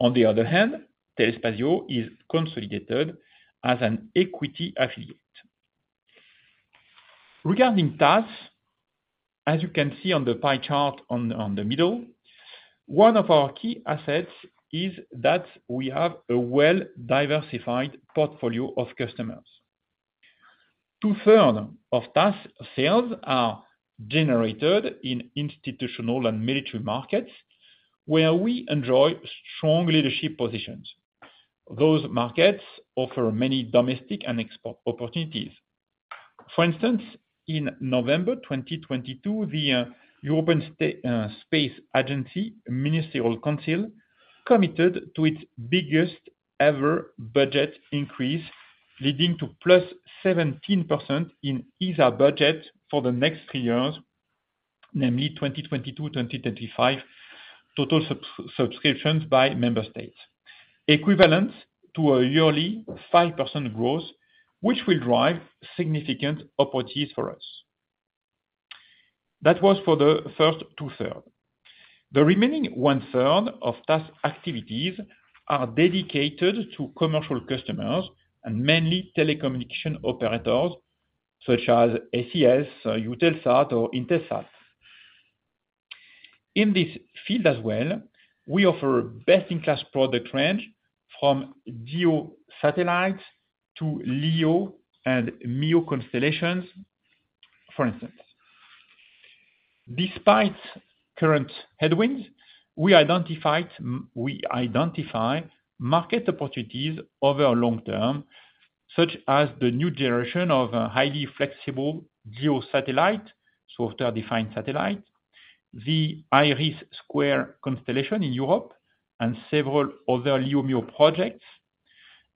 On the other hand, Telespazio is consolidated as an equity affiliate. Regarding TAS, as you can see on the pie chart in the middle, of our key assets is that we have a well-diversified portfolio of customers. 2/3 of TAS sales are generated in institutional and military markets, where we enjoy strong leadership positions. Those markets offer many domestic and export opportunities. For instance, in November 2022, the European Space Agency Ministerial Council committed to its biggest-ever budget increase, leading to +7% in ESA budget for the next three years, namely 2022-2025 total subscriptions by member states, equivalent to a yearly 5% growth, which will drive significant opportunities for us. That was for the first two-thirds. The remaining -third of TAS activities are dedicated to commercial customers and mainly telecommunication operators such as ACS, Eutelsat, or Intelsat. In this field as well, we offer a best-in-class product range from Geo satellites to LEO and MEO constellations, for instance. Despite current headwinds, we identify market opportunities over the long term, such as the new generation of a highly flexible Geo satellite, software-defined satellite, the IRIS² constellation in Europe, and several other LEO-MEO projects.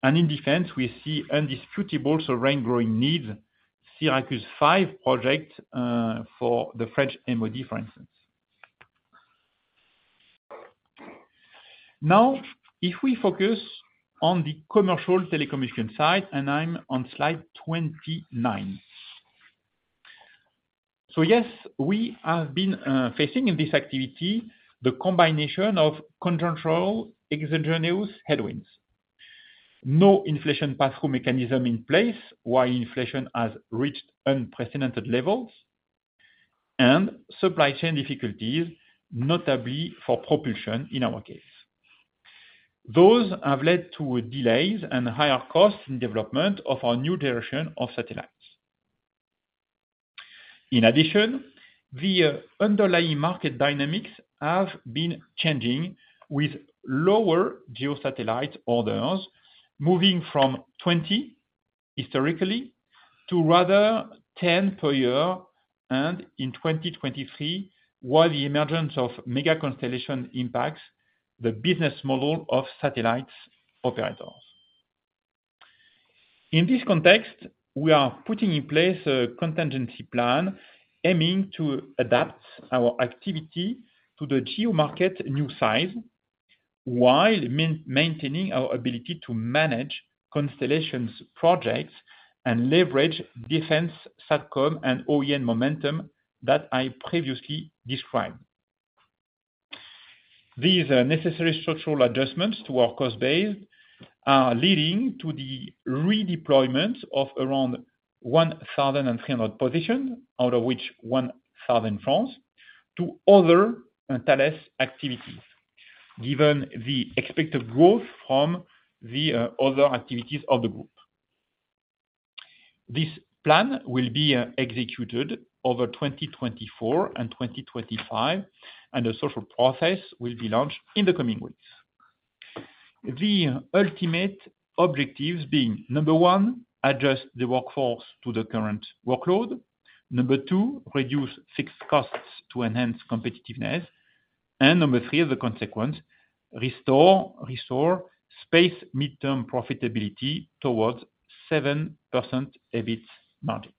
And in defense, we see indisputable sovereign growing needs, Syracuse 5 project for the French MOD, for instance. Now, if we focus on the commercial telecommunication side, and I'm on slide 29. So yes, we have been facing in this activity the combination of conjunctural exogenous headwinds, no inflation pathway mechanism in place while inflation has reached unprecedented levels, and supply chain difficulties, notably for propulsion in our case. Those have led to delays and higher costs in development of our new generation of satellites. In addition, the underlying market dynamics have been changing with lower GEO satellite orders, moving from 20 historically to rather 10 per year, and in 2023, while the emergence of mega-constellation impacts the business model of satellite operators. In this context, we are putting in place a contingency plan aiming to adapt our activity to the GEO market new size while maintaining our ability to manage constellations projects and leverage defense SATCOM and OEN momentum that I previously described. These necessary structural adjustments to our cost base are leading to the redeployment of around 1,300 positions, out of which 1,000 in France, to other Thales activities, given the expected growth from the other activities of the group. This plan will be executed over 2024 and 2025, and the social process will be launched in the coming weeks. The ultimate objectives being, number, adjust the workforce to the current workload. Number two, reduce fixed costs to enhance competitiveness. And number 3, as a consequence, restore space mid-term profitability towards 7% EBIT margin.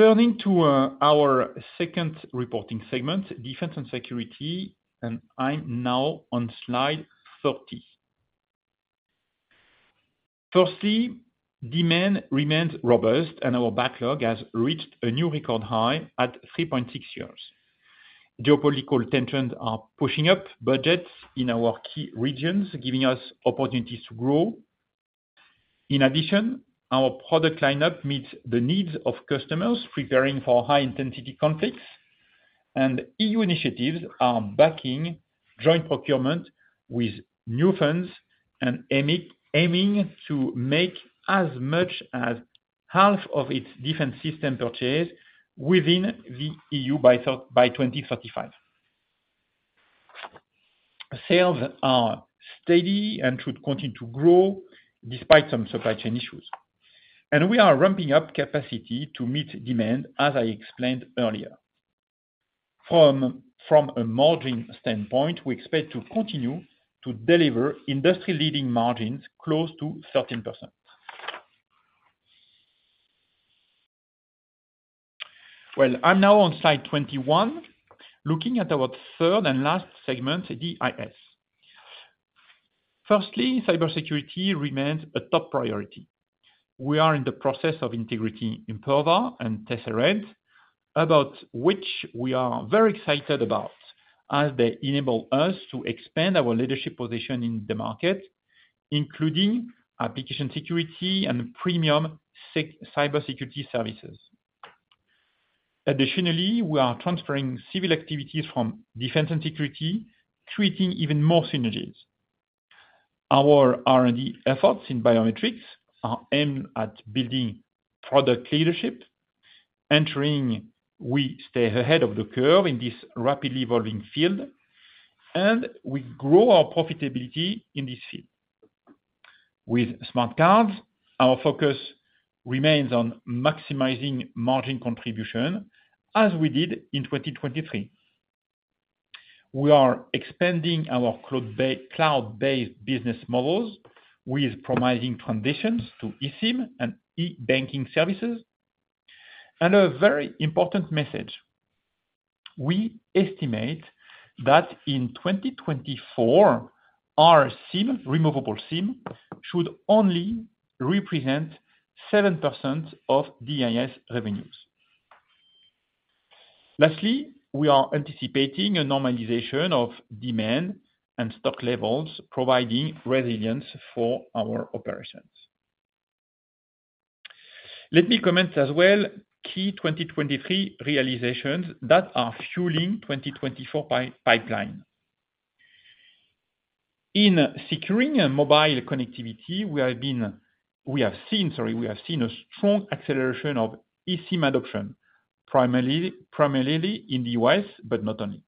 Turning to our second reporting segment, defense and security, and I'm now on slide 30. Firstly, demand remains robust, and our backlog has reached a new record high at 3.6 years. Geopolitical tensions are pushing up budgets in our key regions, giving us opportunities to grow. In addition, our product lineup meets the needs of customers preparing for high-intensity conflicts, and EU initiatives are backing joint procurement with new funds and aiming to make as much as half of its defense system purchase within the EU by 2035. Sales are steady and should continue to grow despite some supply chain issues. We are ramping up capacity to meet demand, as I explained earlier. From a margin standpoint, we expect to continue to deliver industry-leading margins close to 13%. Well, I'm now on slide 2, looking at our third and last segment, DIS. Firstly, cybersecurity remains a top priority. We are in the process of integrating Imperva and Tesserent, about which we are very excited about as they enable us to expand our leadership position in the market, including application security and premium Cybersecurity services. Additionally, we are transferring civil activities from defense and security, creating even more synergies. Our R&D efforts in biometrics aim at building product leadership, ensuring we stay ahead of the curve in this rapidly evolving field, and we grow our profitability in this field. With smart cards, our focus remains on maximizing margin contribution as we did in 2023. We are expanding our cloud-based business models with promising transitions to eSIM and e-banking services. And a very important message. We estimate that in 2024, our removable SIM should only represent 7% of DIS revenues. Lastly, we are anticipating a normalization of demand and stock levels, providing resilience for our operations. Let me comment as well key 2023 realizations that are fueling the 2024 pipeline. In securing mobile connectivity, we have seen a strong acceleration of eSIM adoption, primarily in the U.S., but not only.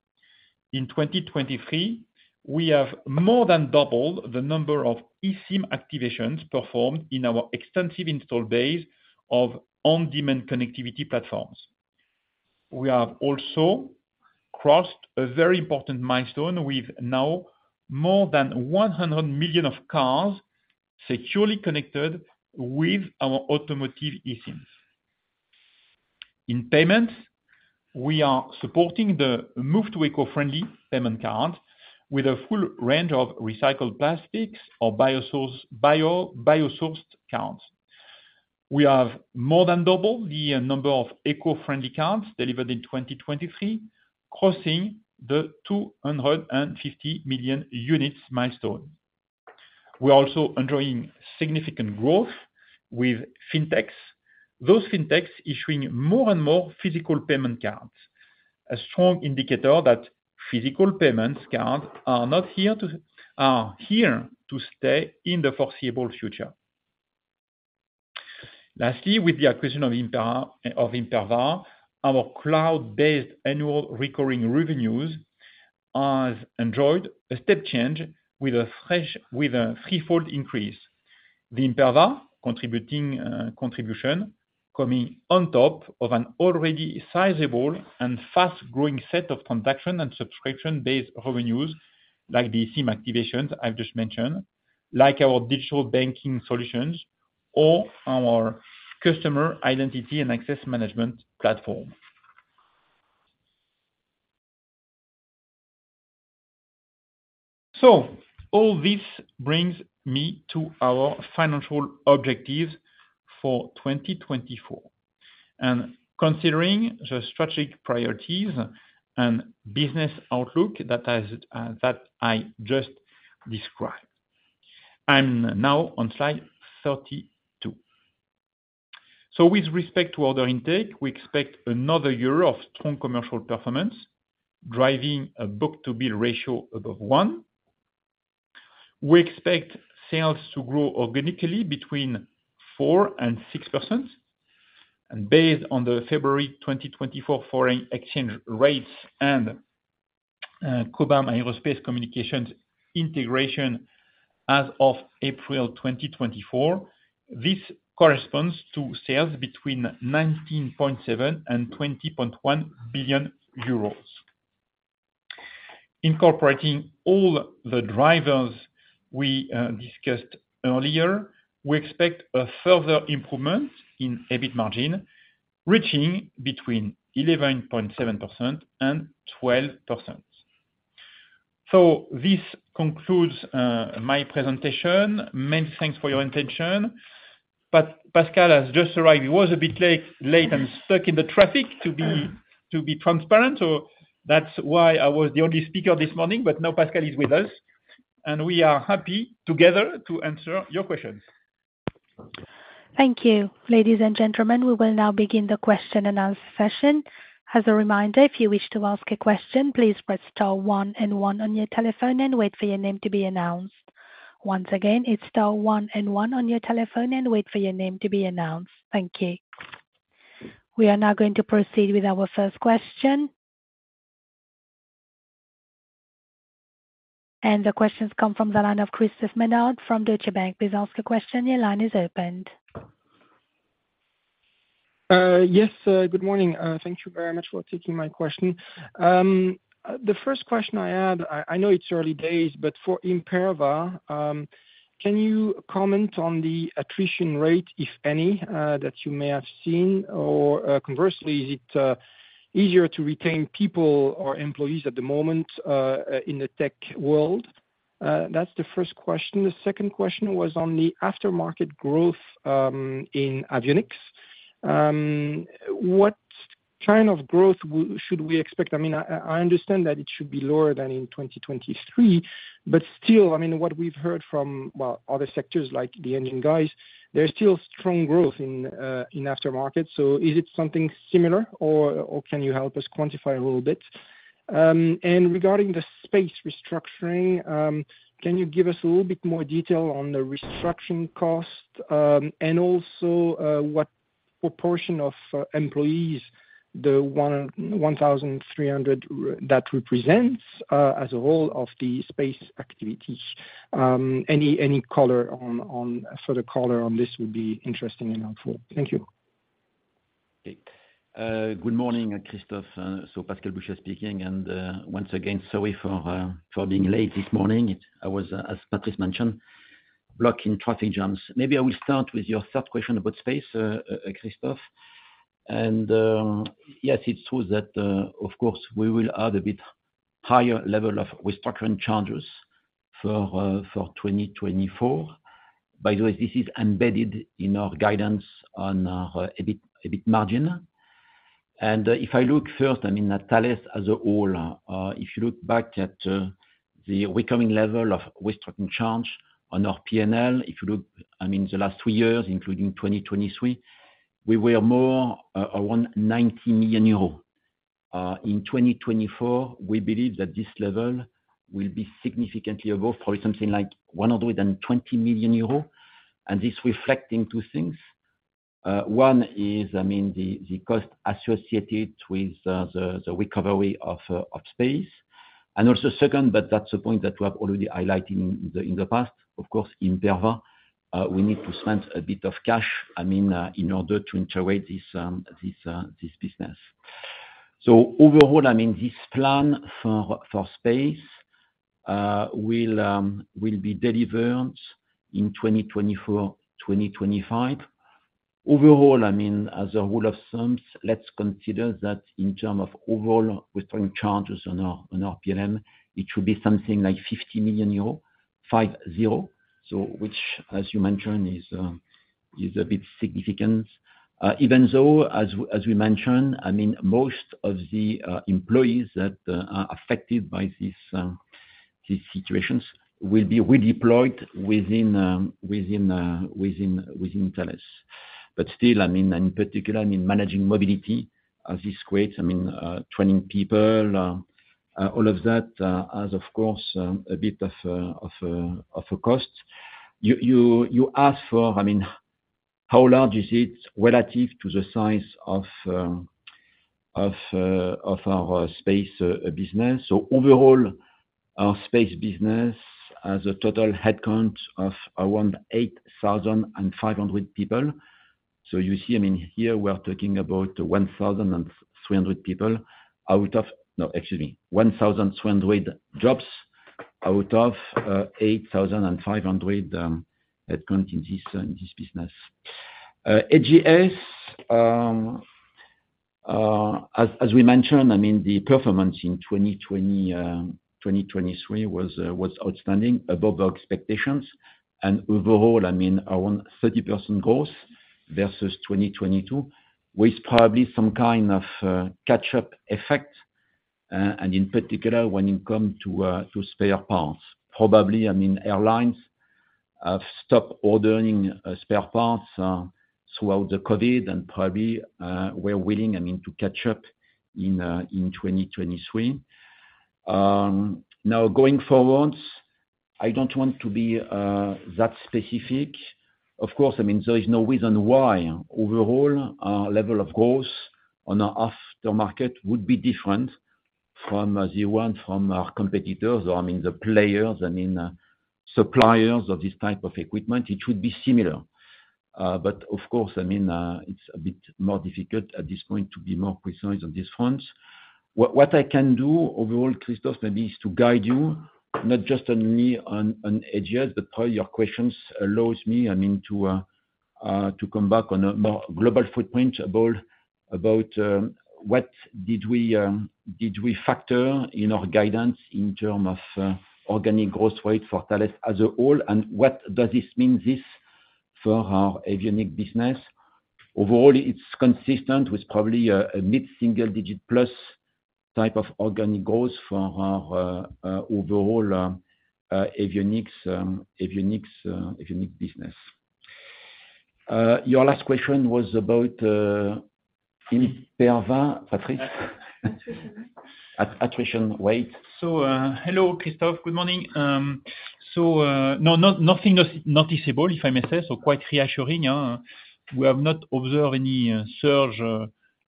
In 2023, we have more than doubled the number of eSIM activations performed in our extensive install base of on-demand connectivity platforms. We have also crossed a very important milest with now more than 100 million cars securely connected with our automotive eSIMs. In payments, we are supporting the move to eco-friendly payment cards with a full range of recycled plastics or biosourced cards. We have more than doubled the number of eco-friendly cards delivered in 2023, crossing the 250 million units milest. We're also enjoying significant growth with fintechs, those fintechs issuing more and more physical payment cards, a strong indicator that physical payments cards are not here to stay in the foreseeable future. Lastly, with the acquisition of Imperva, our cloud-based annual recurring revenues have enjoyed a step change with a threefold increase. The Imperva contribution is coming on top of an already sizable and fast-growing set of transaction and subscription-based revenues, like the eSIM activations I've just mentid, like our digital banking solutions or our customer identity and access management platform. So all this brings me to our financial objectives for 2024. And considering the strategic priorities and business outlook that I just described, I'm now on slide 32. So with respect to order intake, we expect another year of strong commercial performance, driving a book-to-bill ratio above. We expect sales to grow organically 4%-6%. And based on the February 2024 foreign exchange rates and Cobham Aerospace Communications integration as of April 2024, this corresponds to sales € 19.7 billion-€ 20. billion. Incorporating all the drivers we discussed earlier, we expect a further improvement in EBIT margin, reaching 11.7%-12%. So this concludes my presentation. Many thanks for your attention. Pascal has just arrived. He was a bit late and stuck in the traffic to be transparent, so that's why I was the only speaker this morning, but now Pascal is with us. We are happy together to answer your questions. Thank you. Ladies and gentlemen, we will now begin the question-and-answer session. As a reminder, if you wish to ask a question, please press star 1 and 1 on your teleph and wait for your name to be announced. Once again, it's star 1 and 1 on your teleph and wait for your name to be announced. Thank you. We are now going to proceed with our first question. The questions come from the line of Christophe Menard from Deutsche Bank. Please ask your question. Your line is open. Yes. Good morning. Thank you very much for taking my question. The first question I had, I know it's early days, but for Imperva, can you comment on the attrition rate, if any, that you may have seen? Or conversely, is it easier to retain people or employees at the moment in the tech world? That's the first question. The second question was on the aftermarket growth in avionics. What kind of growth should we expect? I mean, I understand that it should be lower than in 2023, but still, I mean, what we've heard from, well, other sectors like the engine guys, there's still strong growth in aftermarket. So is it something similar, or can you help us quantify a little bit? Regarding the space restructuring, can you give us a little bit more detail on the restructuring cost and also what proportion of employees the 1,300 that represents as a whole of the space activity? Any further color on this would be interesting and helpful. Thank you. Good morning, Christoph. So Pascal Bouchiat speaking. And once again, sorry for being late this morning. As Patrice mentid, I'm blocked in traffic jams. Maybe I will start with your third question about space, Christoph. And yes, it's true that, of course, we will have a bit higher level of restructuring charges for 2024. By the way, this is embedded in our guidance on our EBIT margin. And if I look first, I mean, at Thales as a whole, if you look back at the recurring level of restructuring charge on our P&L, if you look, I mean, the last three years, including 2023, we were more around € 90 million. In 2024, we believe that this level will be significantly above, probably something like € 120 million. And this reflects two things. 1 is, I mean, the cost associated with the recovery of space. And also second, but that's a point that we have already highlighted in the past, of course, Imperva, we need to spend a bit of cash, I mean, in order to integrate this business. So overall, I mean, this plan for space will be delivered in 2024, 2025. Overall, I mean, as a rule of thumb, let's consider that in terms of overall restructuring charges on our P&L, it should be something like € 50 million, 5-0, which, as you mentid, is a bit significant. Even though, as we mentid, I mean, most of the employees that are affected by these situations will be redeployed within Thales. But still, I mean, in particular, I mean, managing mobility, as this creates, I mean, training people, all of that has, of course, a bit of a cost. You ask for, I mean, how large is it relative to the size of our space business? Overall, our space business has a total headcount of around 18,500 people. You see, I mean, here we're talking about 1,300 people out of, no, excuse me, 1,300 jobs out of 8,500 headcount in this business. AGS, as we mentid, I mean, the performance in 2023 was outstanding, above our expectations. Overall, I mean, around 30% growth versus 2022, with probably some kind of catch-up effect, and in particular when it comes to spare parts. Probably, I mean, airlines have stopped ordering spare parts throughout COVID, and probably we're willing, I mean, to catch up in 2023. Now, going forward, I don't want to be that specific. Of course, I mean, there is no reason why overall our level of growth on our aftermarket would be different from our competitors or, I mean, the players, I mean, suppliers of this type of equipment. It should be similar. But of course, I mean, it's a bit more difficult at this point to be more precise on this front. What I can do overall, Christoph, maybe is to guide you, not just only on AGS, but probably your questions allows me, I mean, to come back on a more global footprint about what did we factor in our guidance in terms of organic growth rate for Thales as a whole, and what does this mean for our avionics business? Overall, it's consistent with probably a mid-single-digit plus type of organic growth for our overall avionics business. Your last question was about Imperva, Patrice. Attrition. Attrition rate. So hello, Christoph. Good morning. Nothing noticeable, if I may say, so quite reassuring. We have not observed any surge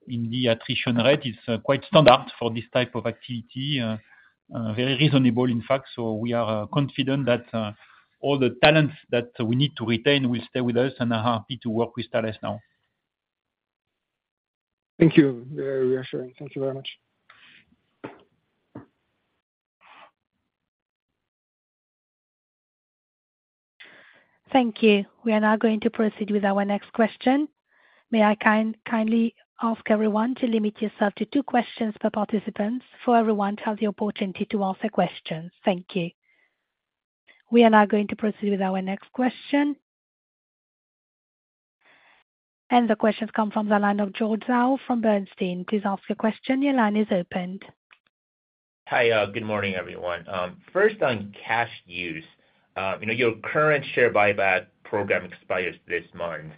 in the attrition rate. It's quite standard for this type of activity. Very reasonable, in fact. We are confident that all the talents that we need to retain will stay with us, and I'm happy to work with Thales now. Thank you. Very reassuring. Thank you very much. Thank you. We are now going to proceed with our next question. May I kindly ask every to limit yourself to 2 questions per participant for every to have the opportunity to ask a question? Thank you. We are now going to proceed with our next question. The questions come from the line of George Zhao from Bernstein. Please ask your question. Your line is opened. Hi. Good morning, every. First, on cash use. Your current share buyback program expires this month.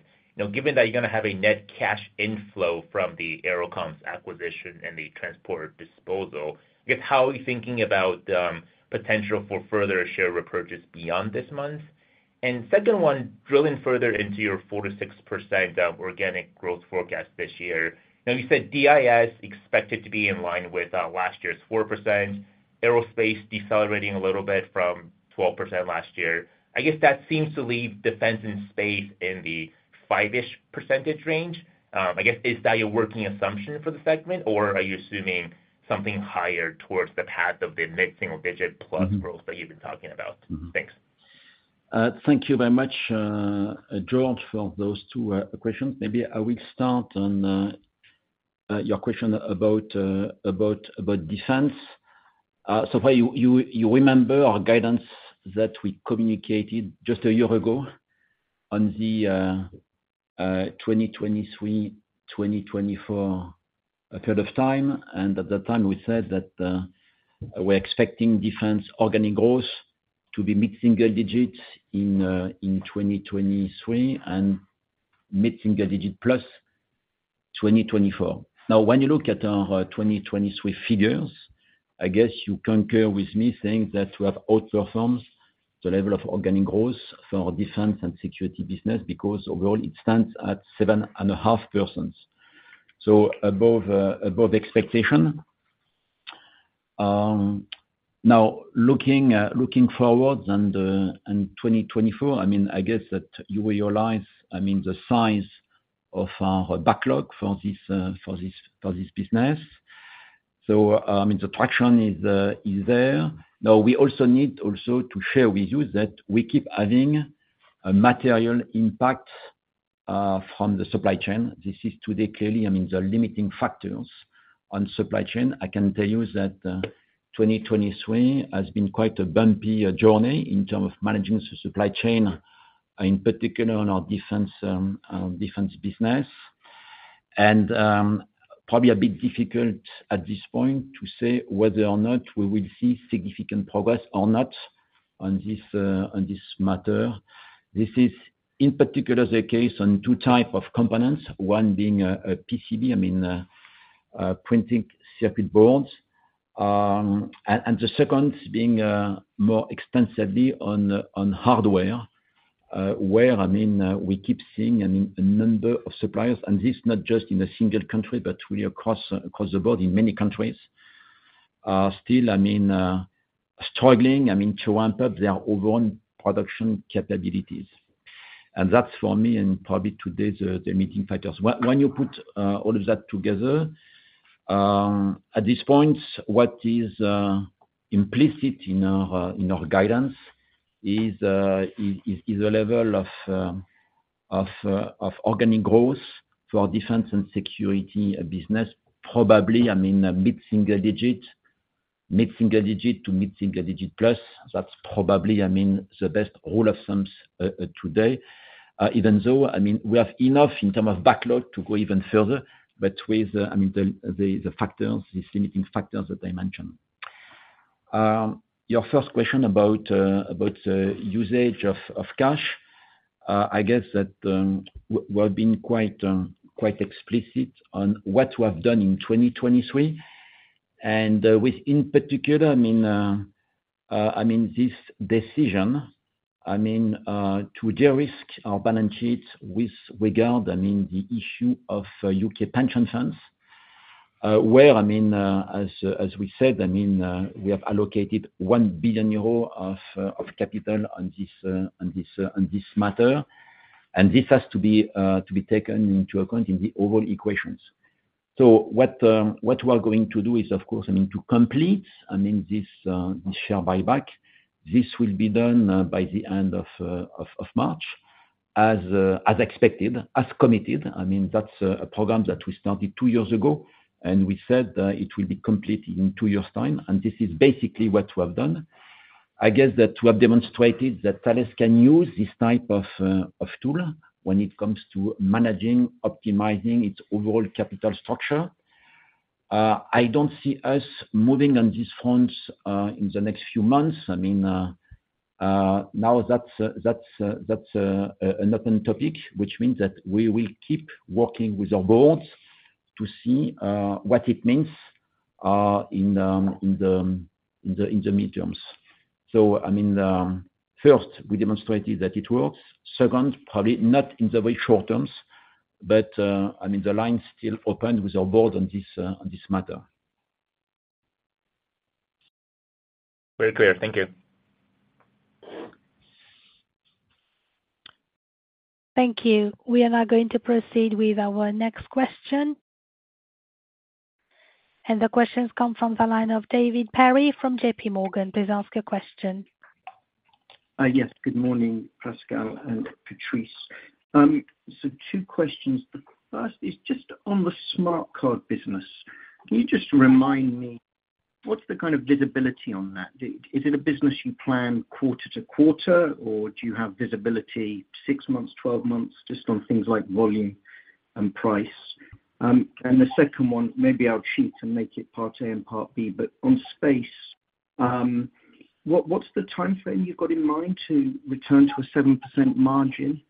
Given that you're going to have a net cash inflow from the AeroComms acquisition and the transport disposal, I guess how are you thinking about the potential for further share repurchase beyond this month? And second, drilling further into your 4%-6% organic growth forecast this year. You said DIS expected to be in line with last year's 4%, aerospace decelerating a little bit from 12% last year. I guess that seems to leave defense and space in the 5%-ish range. I guess, is that your working assumption for the segment, or are you assuming something higher towards the path of the mid-single-digit plus growth that you've been talking about? Thanks. Thank you very much, George, for those 2 questions. Maybe I will start on your question about defense. So you remember our guidance that we communicated just a year ago on the 2023-2024 period of time? At that time, we said that we're expecting defense organic growth to be mid-single digit in 2023 and mid-single digit plus 2024. Now, when you look at our 2023 figures, I guess you concur with me saying that we have outperformed the level of organic growth for defense and security business because overall, it stands at 7.5%. So above expectation. Now, looking forward and 2024, I mean, I guess that you realize, I mean, the size of our backlog for this business. So I mean, the traction is there. Now, we also need to share with you that we keep having a material impact from the supply chain. This is today clearly, I mean, the limiting factors on supply chain. I can tell you that 2023 has been quite a bumpy journey in terms of managing the supply chain, in particular on our defense business. Probably a bit difficult at this point to say whether or not we will see significant progress or not on this matter. This is in particular the case on two types of components, being a PCB, I mean, printed circuit boards. The second being more extensively on hardware, where, I mean, we keep seeing, I mean, a number of suppliers, and this is not just in a single country, but really across the board in many countries, still, I mean, struggling, I mean, to ramp up their overall production capabilities. That's for me and probably today's limiting factors. When you put all of that together, at this point, what is implicit in our guidance is the level of organic growth for defense and security business, probably, I mean, mid-single digit, mid-single digit to mid-single digit plus. That's probably, I mean, the best rule of thumb today. Even though, I mean, we have enough in terms of backlog to go even further, but with, I mean, the limiting factors that I mentid. Your first question about usage of cash, I guess that we have been quite explicit on what we have d in 2023. And with, in particular, I mean, this decision, I mean, to de-risk our balance sheet with regard, I mean, the issue of UK pension funds, where, I mean, as we said, I mean, we have allocated € 1 billion of capital on this matter. And this has to be taken into account in the overall equations. So what we are going to do is, of course, I mean, to complete, I mean, this share buyback. This will be d by the end of March, as expected, as committed. I mean, that's a program that we started two years ago, and we said it will be complete in two years' time. And this is basically what we have d. I guess that we have demonstrated that Thales can use this type of tool when it comes to managing, optimizing its overall capital structure. I don't see us moving on this front in the next few months. I mean, now that's an open topic, which means that we will keep working with our boards to see what it means in the midterms. So, I mean, first, we demonstrated that it works. Second, probably not in the very short terms, but, I mean, the line is still open with our board on this matter. Very clear. Thank you. Thank you. We are now going to proceed with our next question. The questions come from the line of David Perry from JP Morgan. Please ask your question. Yes. Good morning, Pascal and Patrice. So two questions. The first is just on the smart card business. Can you just remind me what's the kind of visibility on that? Is it a business you plan quarter to quarter, or do you have visibility six months, twelve months, just on things like volume and price? And the second 1, maybe I'll cheat and make it part A and part B, but on space, what's the time frame you've got in mind to return to a 7% margin?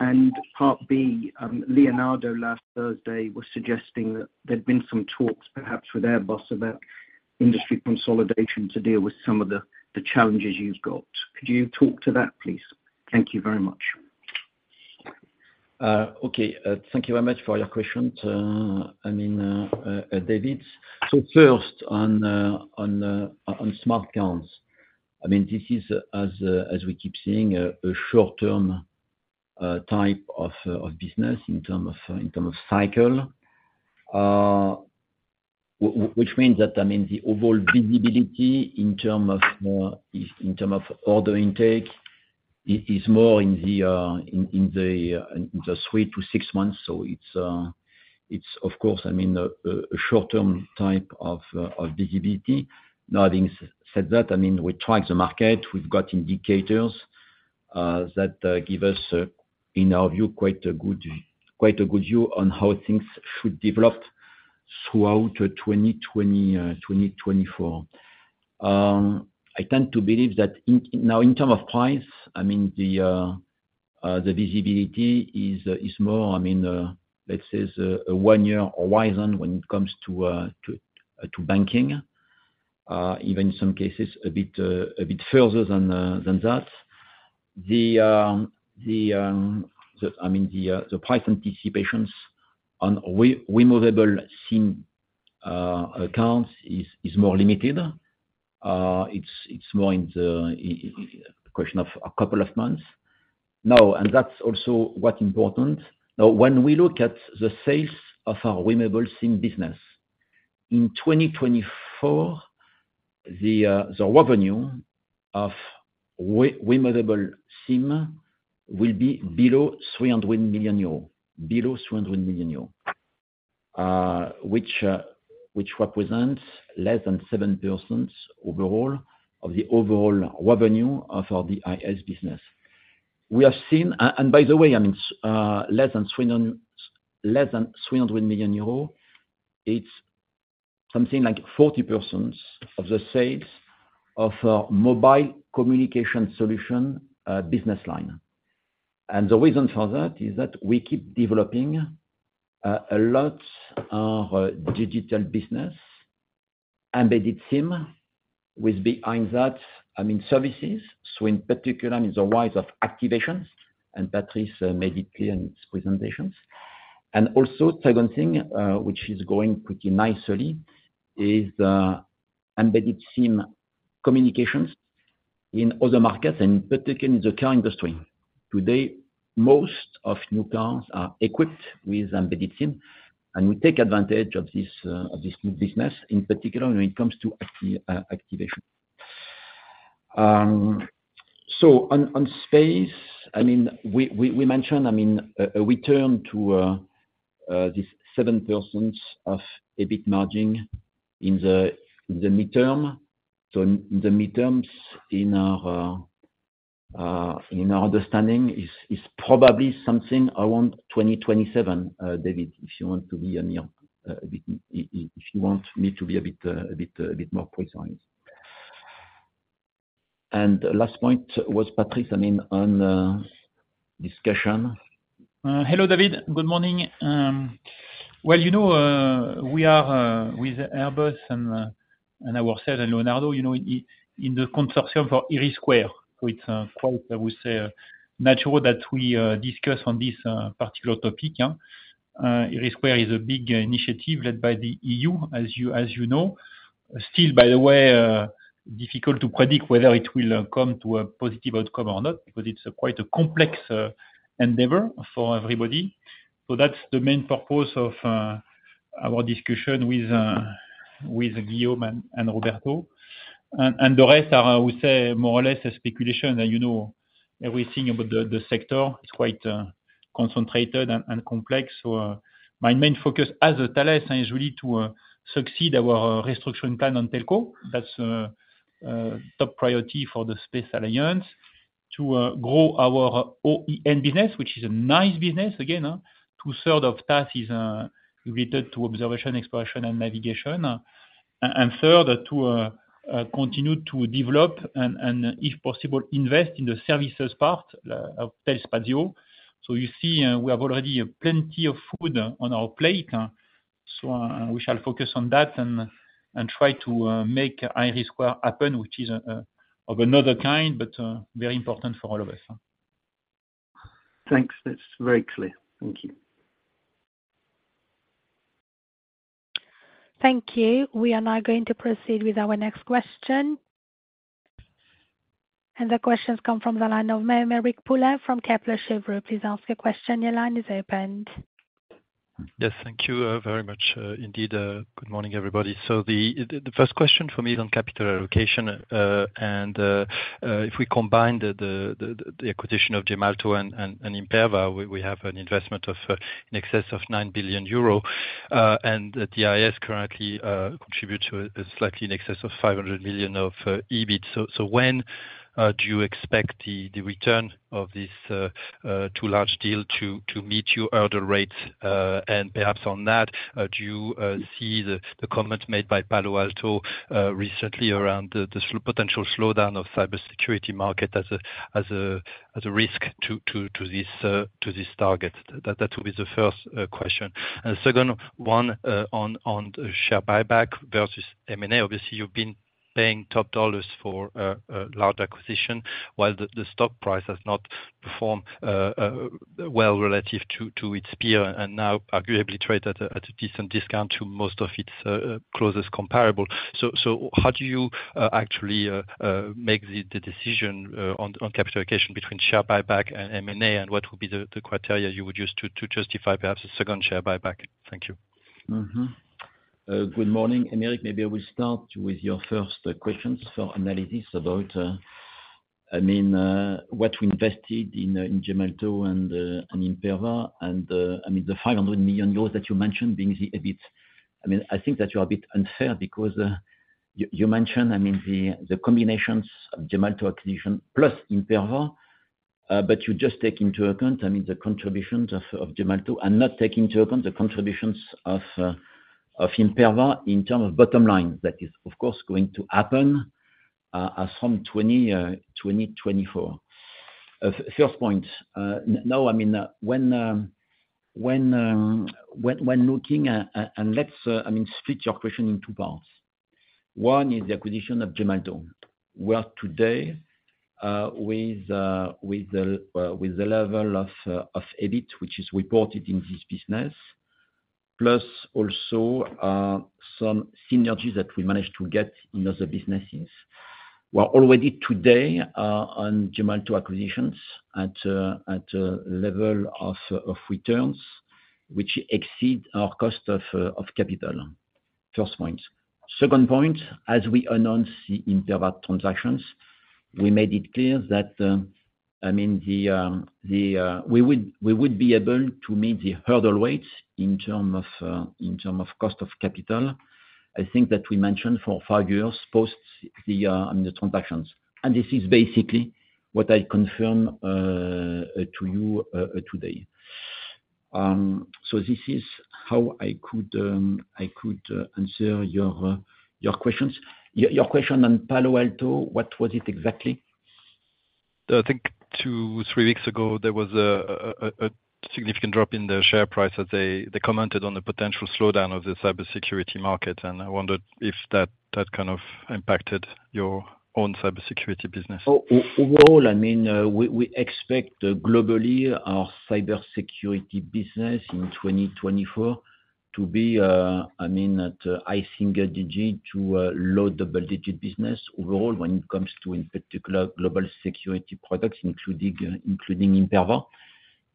And part B, Leonardo last Thursday was suggesting that there'd been some talks, perhaps with Airbus about industry consolidation to deal with some of the challenges you've got. Could you talk to that, please? Thank you very much. Okay. Thank you very much for your question. I mean, David, so first, on smart cards, I mean, this is, as we keep seeing, a short-term type of business in terms of cycle, which means that, I mean, the overall visibility in terms of order intake is more in the three to six months. So it's, of course, I mean, a short-term type of visibility. Now, having said that, I mean, we track the market. We've got indicators that give us, in our view, quite a good view on how things should develop throughout 2024. I tend to believe that now, in terms of price, I mean, the visibility is more, I mean, let's say, a 1-year horizon when it comes to banking, even in some cases, a bit further than that. I mean, the price anticipations on removable SIM accounts is more limited. It's more in the question of a couple of months. Now, that's also what's important. Now, when we look at the sales of our removable SIM business, in 2024, the revenue of removable SIM will be below € 300 million, below € 300 million, which represents less than 7% overall of the overall revenue of our DIS business. We have seen, and by the way, I mean, less than € 300 million, it's something like 40% of the sales of our mobile communication solution business line. And the reason for that is that we keep developing a lot of digital business embedded SIM with behind that, I mean, services. So in particular, I mean, the size of activations, and Patrice made it clear in his presentations. And also second thing, which is going pretty nicely, is embedded SIM communications in other markets, and in particular, in the car industry. Today, most of new cars are equipped with embedded SIM, and we take advantage of this new business, in particular, when it comes to activation. So on space, I mean, we mentid, I mean, a return to this 7% of EBIT margin in the midterm. So in the midterms, in our understanding, is probably something around 2027, David, if you want to be a bit if you want me to be a bit more precise. And last point was Patrice, I mean, on discussion. Hello, David. Good morning. Well, we are with Airbus and ourselves and Leonardo, you know, in the consortium for IRIS². So it's quite, I would say, natural that we discuss on this particular topic. IRIS² is a big initiative led by the EU, as you know. Still, by the way, difficult to predict whether it will come to a positive outcome or not because it's quite a complex endeavor for everybody. So that's the main purpose of our discussion with Guillaume and Roberto. And the rest are, I would say, more or less a speculation. And you know, everything about the sector is quite concentrated and complex. So my main focus as a Thales is really to succeed our restructuring plan on telco. That's a top priority for the Space Alliance to grow our OEN business, which is a nice business. Again, two-thirds of Thales is related to observation, exploration, and navigation. Third, to continue to develop and, if possible, invest in the services part of Telespazio. So you see, we have already plenty of food on our plate, so we shall focus on that and try to make IRIS² happen, which is of another kind, but very important for all of us. Thanks. That's very clear. Thank you. Thank you. We are now going to proceed with our next question. The questions come from the line of Aymeric Poulain from Kepler Cheuvreux. Please ask your question. Your line is open. Yes. Thank you very much. Indeed, good morning, everybody. So the first question for me is on capital allocation. And if we combine the acquisition of Gemalto and Imperva, we have an investment in excess of € 9 billion. And the DIS currently contributes slightly in excess of € 500 million of EBIT. So when do you expect the return of this two large deals to meet your earlier rates? And perhaps on that, do you see the comment made by Palo Alto recently around the potential slowdown of the cybersecurity market as a risk to this target? That will be the first question. And the second 1 on share buyback versus M&A. Obviously, you've been paying top dollars for a large acquisition while the stock price has not performed well relative to its peer and now arguably traded at a decent discount to most of its closest comparables. How do you actually make the decision on capital allocation between share buyback and M&A, and what will be the criteria you would use to justify perhaps a second share buyback? Thank you. Good morning. Aymeric, maybe I will start with your first questions for analysis about, I mean, what we invested in Gemalto and Imperva and, I mean, the € 500 million that you mentid being the EBIT. I mean, I think that you are a bit unfair because you mentid, I mean, the combinations of Gemalto acquisition plus Imperva, but you just take into account, I mean, the contributions of Gemalto and not take into account the contributions of Imperva in terms of bottom line that is, of course, going to happen from 2024. First point. Now, I mean, when looking and let's, I mean, split your question in two parts. is the acquisition of Gemalto. We are today with the level of EBIT, which is reported in this business, plus also some synergies that we managed to get in other businesses. We are already today on Gemalto acquisitions at a level of returns which exceed our cost of capital. First point. Second point, as we announced the Imperva transactions, we made it clear that, I mean, we would be able to meet the hurdle rates in terms of cost of capital. I think that we mentid for five years post the transactions. And this is basically what I confirm to you today. So this is how I could answer your questions. Your question on Palo Alto, what was it exactly? I think 2-3 weeks ago, there was a significant drop in the share price as they commented on the potential slowdown of the cybersecurity market. I wondered if that kind of impacted your own cybersecurity business. Overall, I mean, we expect globally our cybersecurity business in 2024 to be, I mean, at a high single digit to low double digit business overall when it comes to, in particular, global security products, including Imperva.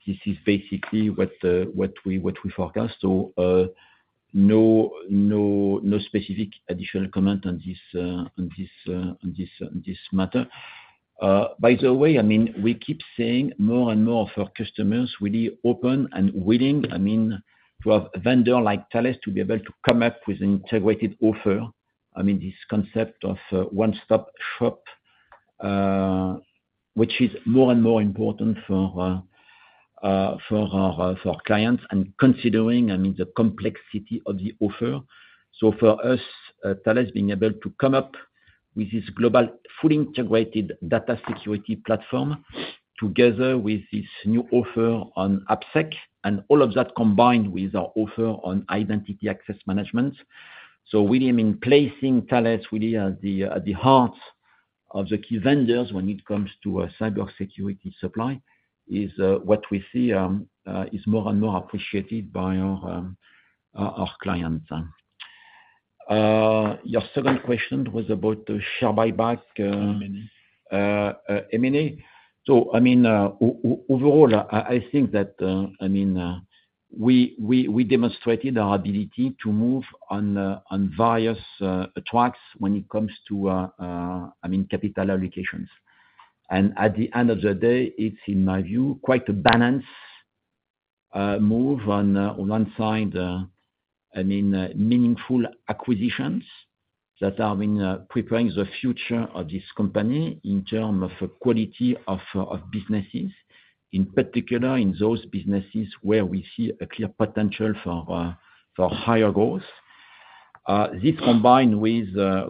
This is basically what we forecast. So no specific additional comment on this matter. By the way, I mean, we keep seeing more and more of our customers really open and willing, I mean, to have a vendor like Thales to be able to come up with an integrated offer, I mean, this concept of 1-stop shop, which is more and more important for our clients and considering, I mean, the complexity of the offer. So for us, Thales being able to come up with this global, fully integrated data security platform together with this new offer on AppSec, and all of that combined with our offer on identity access management. So really, I mean, placing Thales really at the heart of the key vendors when it comes to cybersecurity supply is what we see is more and more appreciated by our clients. Your second question was about the share buyback. M&A. So, I mean, overall, I think that, I mean, we demonstrated our ability to move on various tracks when it comes to, I mean, capital allocations. And at the end of the day, it's, in my view, quite a balanced move on 1 side, I mean, meaningful acquisitions that have been preparing the future of this company in terms of quality of businesses, in particular, in those businesses where we see a clear potential for higher growth. This combined with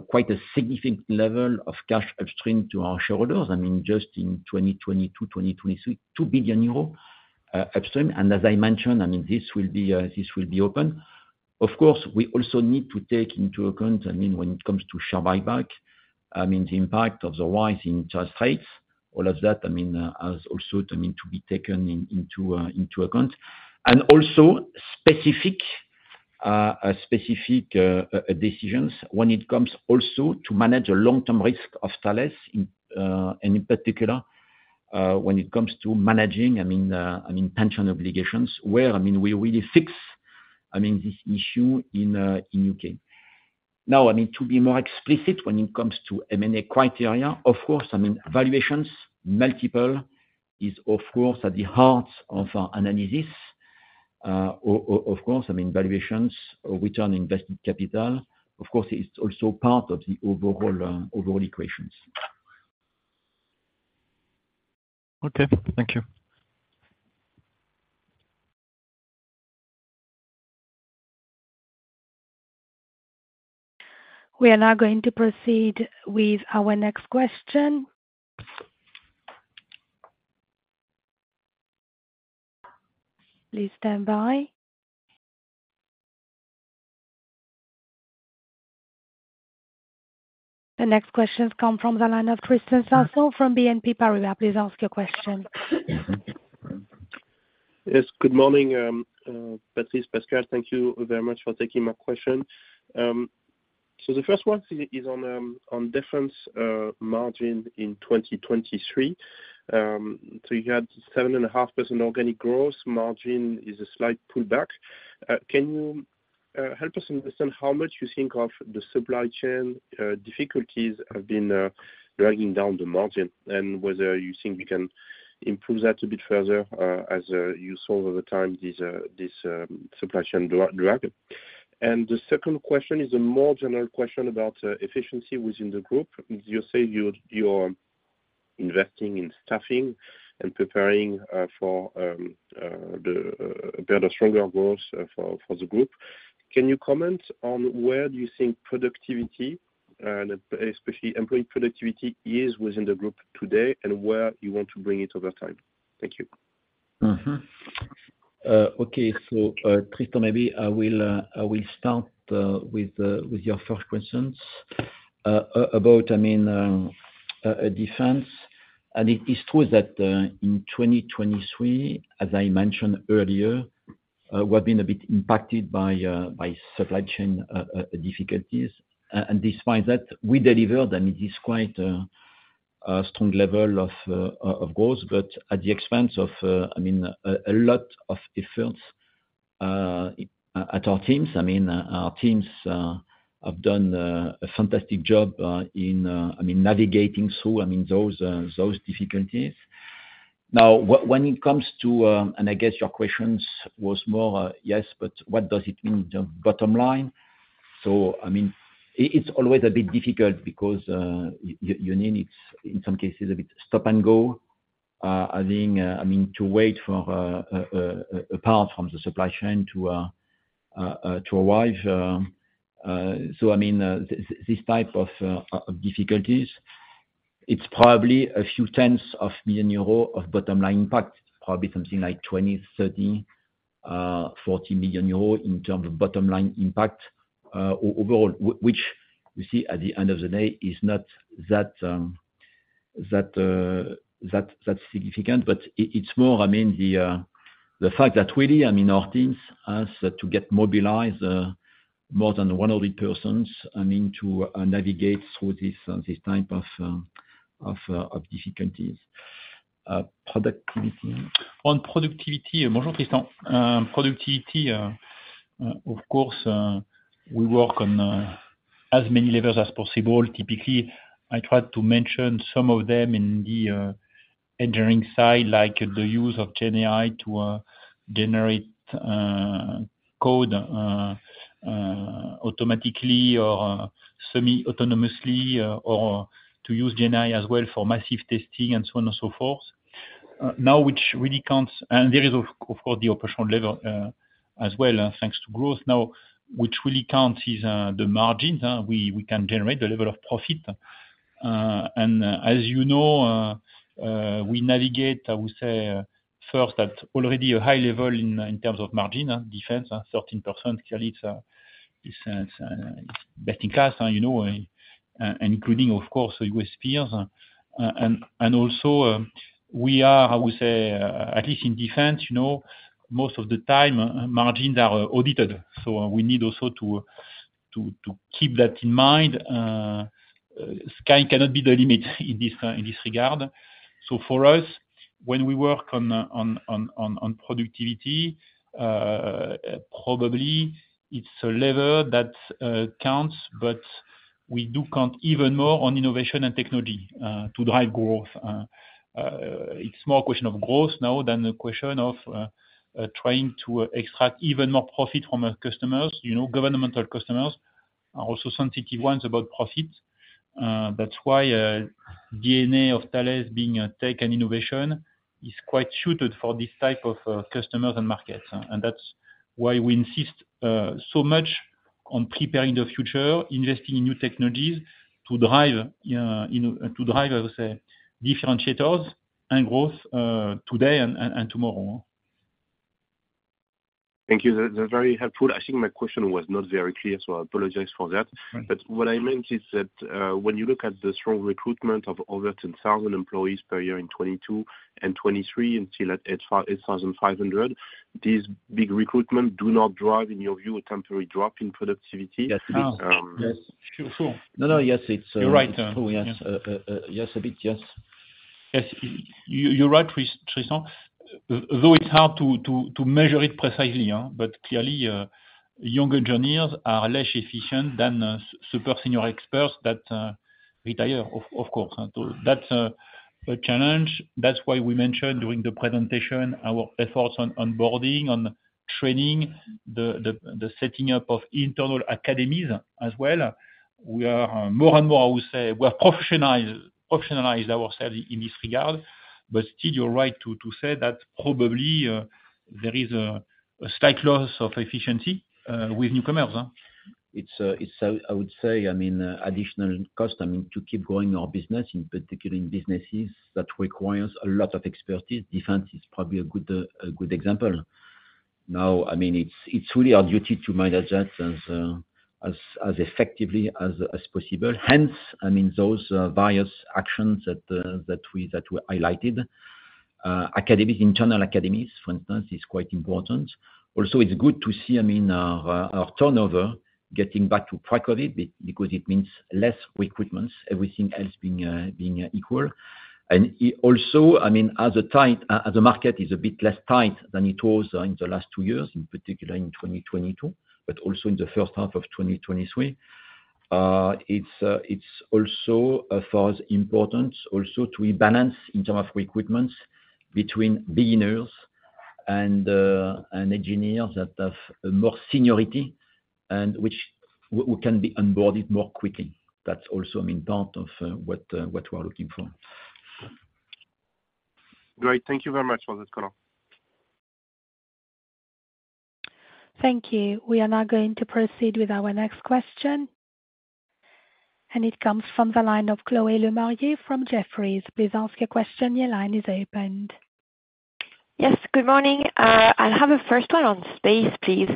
quite a significant level of cash upstream to our shareholders, I mean, just in 2022, 2023, € 2 billion upstream. And as I mentid, I mean, this will be open. Of course, we also need to take into account, I mean, when it comes to share buyback, I mean, the impact of the rise in interest rates, all of that, I mean, has also, I mean, to be taken into account. Also specific decisions when it comes also to manage the long-term risk of Thales, and in particular, when it comes to managing, I mean, pension obligations, where, I mean, we really fix, I mean, this issue in the UK. Now, I mean, to be more explicit when it comes to M&A criteria, of course, I mean, valuations multiple is, of course, at the heart of our analysis. Of course, I mean, valuations, return on invested capital, of course, it's also part of the overall equations. Okay. Thank you. We are now going to proceed with our next question. Please stand by. The next questions come from the line of Tristan Sanson from BNP Paribas. Please ask your question. Yes. Good morning, Patrice, Pascal. Thank you very much for taking my question. So the first 1 is on defense margin in 2023. So you had 7.5% organic growth. Margin is a slight pullback. Can you help us understand how much you think of the supply chain difficulties have been dragging down the margin and whether you think you can improve that a bit further as you saw over time this supply chain drag? And the second question is a more general question about efficiency within the group. You say you're investing in staffing and preparing for a better, stronger growth for the group. Can you comment on where do you think productivity, and especially employee productivity, is within the group today and where you want to bring it over time? Thank you. Okay. Tristan, maybe I will start with your first questions about, I mean, defense. It is true that in 2023, as I mentid earlier, we have been a bit impacted by supply chain difficulties. Despite that, we delivered, I mean, this quite strong level of growth, but at the expense of, I mean, a lot of efforts at our teams. I mean, our teams have d a fantastic job in, I mean, navigating through, I mean, those difficulties. Now, when it comes to, and I guess your question was more, yes, but what does it mean in the bottom line? It's always a bit difficult because you need, in some cases, a bit stop and go, I mean, to wait for a part from the supply chain to arrive. So, I mean, this type of difficulties, it's probably a few tens of millions € of bottom line impact, probably something like € 20 million, € 30 million, € 40 million in terms of bottom line impact overall, which you see at the end of the day is not that significant, but it's more, I mean, the fact that really, I mean, our teams have to get mobilized more than 100 persons, I mean, to navigate through this type of difficulties. Productivity. On productivity, bonjour, Tristan. Productivity, of course, we work on as many levers as possible. Typically, I try to mention some of them in the engineering side, like the use of GenAI to generate code automatically or semi-autonomously or to use GenAI as well for massive testing and so on and so forth. Now, which really counts, and there is, of course, the operational lever as well, thanks to growth. Now, which really counts is the margins. We can generate the level of profit. And as you know, we navigate, I would say, first at already a high level in terms of margin, defense, 13%. Clearly, it's best in class, you know, including, of course, U.S. peers. And also, we are, I would say, at least in defense, you know, most of the time, margins are audited. So we need also to keep that in mind. Sky cannot be the limit in this regard. So for us, when we work on productivity, probably it's a lever that counts, but we do count even more on innovation and technology to drive growth. It's more a question of growth now than a question of trying to extract even more profit from our customers. Governmental customers are also sensitive s about profit. That's why DNA of Thales being tech and innovation is quite suited for this type of customers and markets. And that's why we insist so much on preparing the future, investing in new technologies to drive, I would say, differentiators and growth today and tomorrow. Thank you. That's very helpful. I think my question was not very clear, so I apologize for that. But what I meant is that when you look at the strong recruitment of over 10,000 employees per year in 2022 and 2023 and still at 8,500, these big recruitments do not drive, in your view, a temporary drop in productivity? Yes. Yes. Sure. No, no. Yes. You're right. Yes. Yes. A bit. Yes. Yes. You're right, Tristan. Though it's hard to measure it precisely, but clearly, younger juniors are less efficient than super senior experts that retire, of course. So that's a challenge. That's why we mentid during the presentation our efforts on onboarding, on training, the setting up of internal academies as well. We are more and more, I would say, we have professionalized ourselves in this regard. But still, you're right to say that probably there is a slight loss of efficiency with newcomers. It's, I would say, I mean, additional cost, I mean, to keep growing our business, in particular, in businesses that requires a lot of expertise. Defense is probably a good example. Now, I mean, it's really our duty to manage that as effectively as possible. Hence, I mean, those various actions that we highlighted, internal academies, for instance, is quite important. Also, it's good to see, I mean, our turnover getting back to pre-COVID because it means less recruitments, everything else being equal. And also, I mean, as the market is a bit less tight than it was in the last two years, in particular, in 2022, but also in the first half of 2023, it's also for us important also to rebalance in terms of recruitments between beginners and engineers that have more seniority and which can be onboarded more quickly. That's also, I mean, part of what we are looking for. Great. Thank you very much for this, Connor. Thank you. We are now going to proceed with our next question. It comes from the line of Chloé Lemarie from Jefferies. Please ask your question. Your line is opened. Yes. Good morning. I'll have a first 1 on space, please.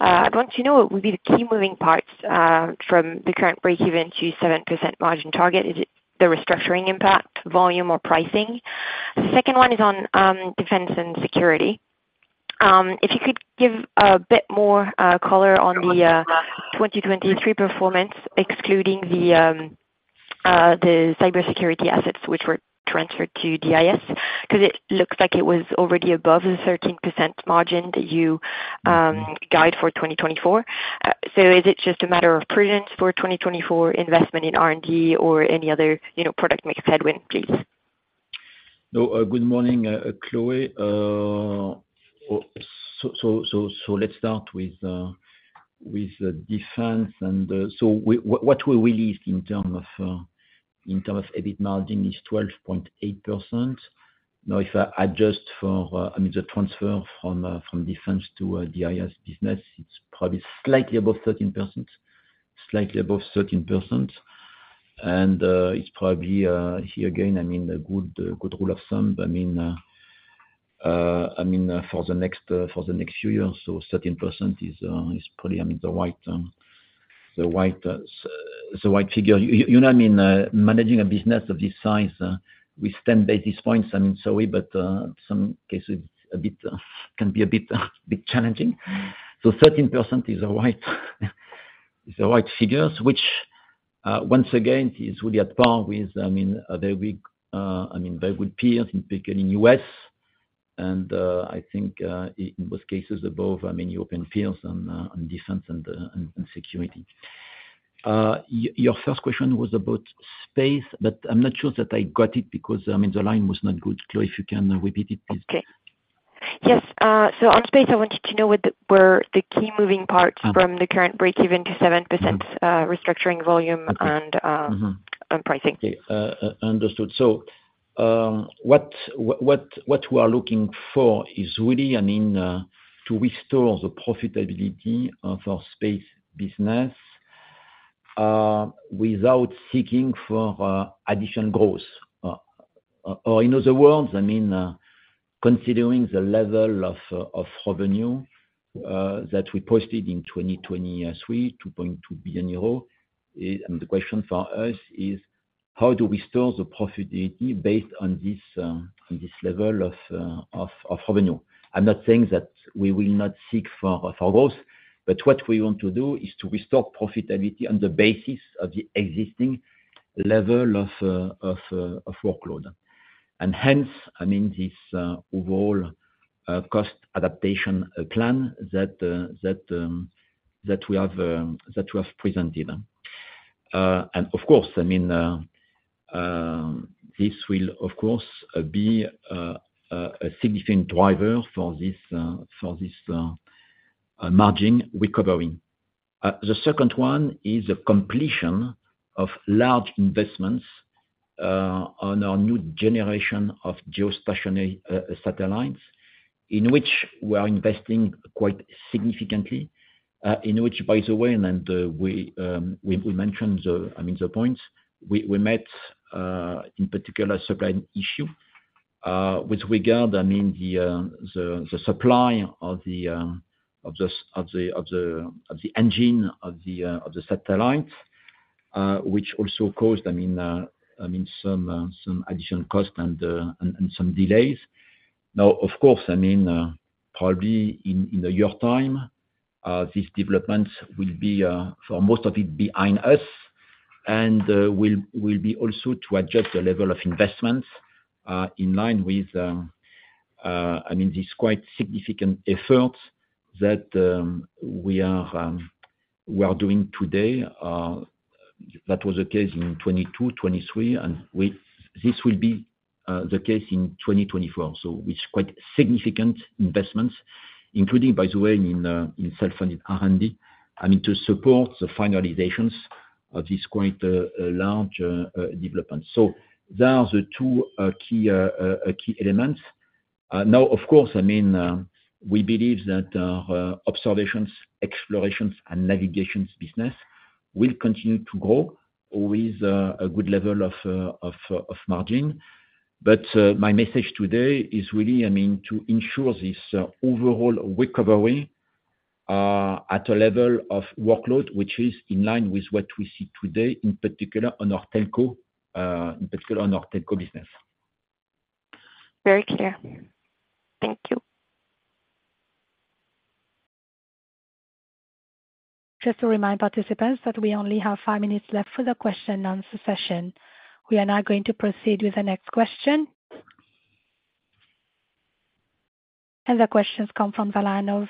I'd want to know what would be the key moving parts from the current breakeven to 7% margin target. Is it the restructuring impact, volume, or pricing? The second 1 is on defense and security. If you could give a bit more color on the 2023 performance, excluding the cybersecurity assets, which were transferred to DIS, because it looks like it was already above the 13% margin that you guide for 2024. So is it just a matter of prudence for 2024 investment in R&D or any other product mix headwind, please? No. Good morning, Chloé. So let's start with defense. And so what we released in terms of EBIT margin is 12.8%. Now, if I adjust for, I mean, the transfer from defense to DIS business, it's probably slightly above 13%, slightly above 13%. And it's probably, here again, I mean, a good rule of thumb, I mean, for the next few years. So 3% is probably, I mean, the right figure. You know what I mean? Managing a business of this size, with 10 basis points, I mean, sorry, but in some cases, it can be a bit challenging. So 13% is the right figures, which, once again, is really at par with, I mean, very good peers, in particular, in the U.S.. And I think, in most cases, above, I mean, European peers on defense and security. Your first question was about space, but I'm not sure that I got it because, I mean, the line was not good. Chloé, if you can repeat it, please. Okay. Yes. So on space, I wanted to know what were the key moving parts from the current breakeven to 7% restructuring volume and pricing? Okay. Understood. So what we are looking for is really, I mean, to restore the profitability of our space business without seeking for additional growth. Or in other words, I mean, considering the level of revenue that we posted in 2023, € 2.2 billion, the question for us is, how do we restore the profitability based on this level of revenue? I'm not saying that we will not seek for growth, but what we want to do is to restore profitability on the basis of the existing level of workload. And hence, I mean, this overall cost adaptation plan that we have presented. And of course, I mean, this will, of course, be a significant driver for this margin recovery. The second 1 is the completion of large investments on our new generation of geostationary satellites in which we are investing quite significantly, in which, by the way, and then we mentid, I mean, the points, we met, in particular, a supply issue with regard, I mean, to the supply of the engine of the satellites, which also caused, I mean, some additional costs and some delays. Now, of course, I mean, probably in a year's time, this development will be, for most of it, behind us and will be also to adjust the level of investments in line with, I mean, this quite significant effort that we are doing today. That was the case in 2022, 2023, and this will be the case in 2024, so with quite significant investments, including, by the way, in self-funded R&D, I mean, to support the finalizations of this quite large development. So there are the 2 key elements. Now, of course, I mean, we believe that our observations, explorations, and navigations business will continue to grow with a good level of margin. But my message today is really, I mean, to ensure this overall recovery at a level of workload, which is in line with what we see today, in particular, on our telco, in particular, on our telco business. Very clear. Thank you. Just to remind participants that we only have 5 minutes left for the question and answer session. We are now going to proceed with the next question. The questions come from the line of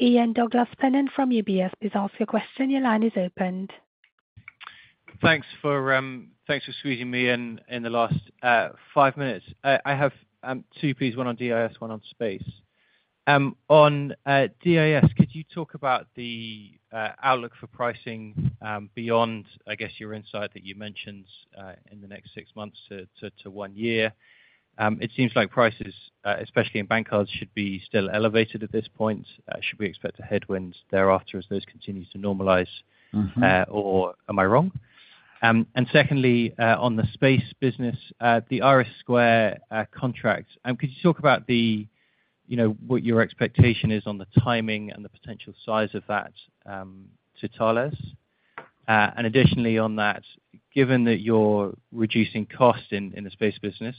Ian Douglas-Pennant from UBS. Please ask your question. Your line is opened. Thanks for squeezing me in the last five minutes. I have two, please. on DIS, 1 on space. On DIS, could you talk about the outlook for pricing beyond, I guess, your insight that you mentid in the next six months to 1 year? It seems like prices, especially in bank cards, should be still elevated at this point. Should we expect headwinds thereafter as those continue to normalize, or am I wrong? And secondly, on the space business, the IRIS² contracts, could you talk about what your expectation is on the timing and the potential size of that to Thales? And additionally, on that, given that you're reducing cost in the space business,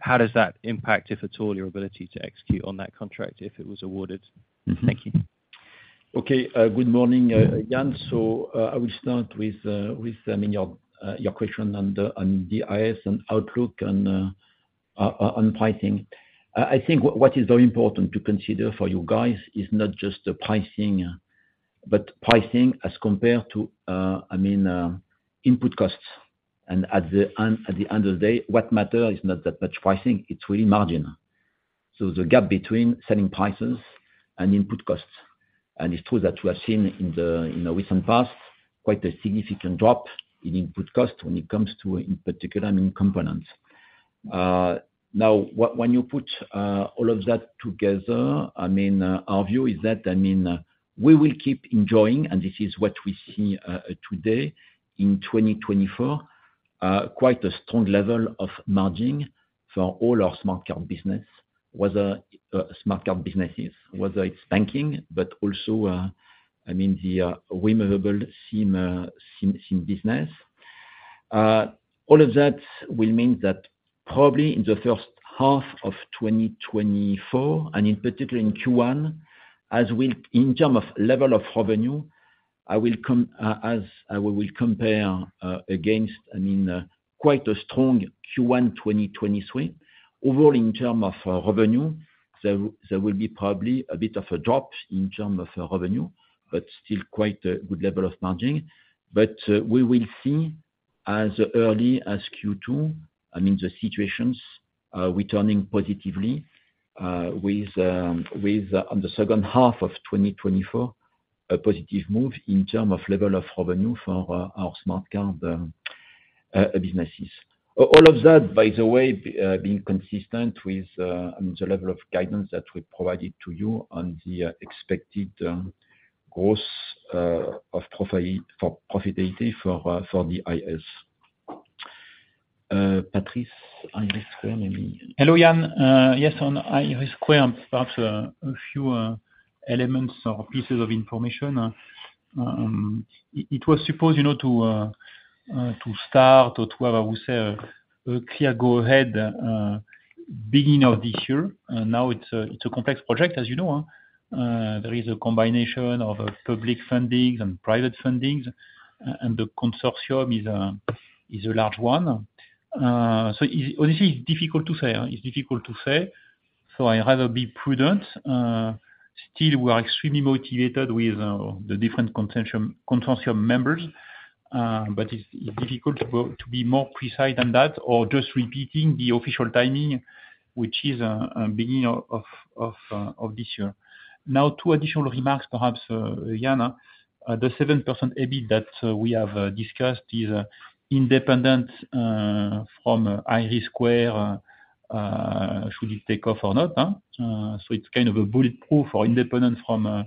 how does that impact, if at all, your ability to execute on that contract if it was awarded? Thank you. Okay. Good morning, Yannick. So I will start with, I mean, your question on DIS and outlook on pricing. I think what is very important to consider for you guys is not just pricing, but pricing as compared to, I mean, input costs. And at the end of the day, what matters is not that much pricing. It's really margin. So the gap between selling prices and input costs. And it's true that we have seen in the recent past quite a significant drop in input costs when it comes to, in particular, I mean, compnts. Now, when you put all of that together, I mean, our view is that, I mean, we will keep enjoying, and this is what we see today in 2024, quite a strong level of margin for all our smart card business, whether it's banking, but also, I mean, the removable SIM business. All of that will mean that probably in the first half of 2024, and in particular, in Q1, in terms of level of revenue, I will compare against, I mean, quite a strong Q1 2023. Overall, in terms of revenue, there will be probably a bit of a drop in terms of revenue, but still quite a good level of margin. But we will see, as early as Q2, I mean, the situations returning positively with, on the second half of 2024, a positive move in terms of level of revenue for our smart card businesses. All of that, by the way, being consistent with, I mean, the level of guidance that we provided to you on the expected growth of profitability for DIS. Patrice, IRIS², maybe. Hello, Yannick. Yes, on IRIS², perhaps a few elements or pieces of information. It was supposed to start or to have, I would say, a clear go-ahead beginning of this year. Now, it's a complex project, as you know. There is a combination of public fundings and private fundings, and the consortium is a large 1. So hstly, it's difficult to say. It's difficult to say. So I'd rather be prudent. Still, we are extremely motivated with the different consortium members, but it's difficult to be more precise than that or just repeating the official timing, which is beginning of this year. Now, two additional remarks, perhaps, Yannick. The 7% EBIT that we have discussed is independent from IRIS², should it take off or not. So it's kind of bulletproof or independent from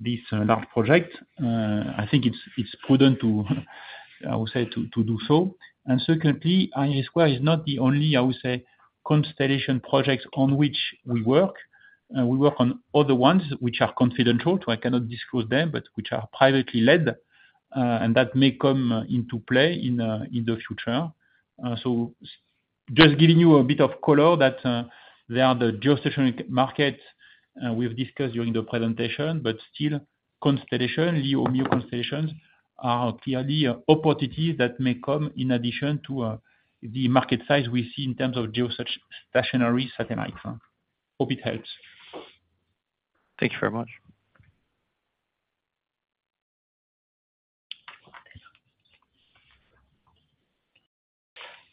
this large project. I think it's prudent to, I would say, do so. Secondly, IRIS² is not the only, I would say, constellation projects on which we work. We work on other s which are confidential, so I cannot disclose them, but which are privately led, and that may come into play in the future. So just giving you a bit of color that there are the geostationary markets we've discussed during the presentation, but still, constellations, LEO/MEO constellations, are clearly opportunities that may come in addition to the market size we see in terms of geostationary satellites. Hope it helps. Thank you very much.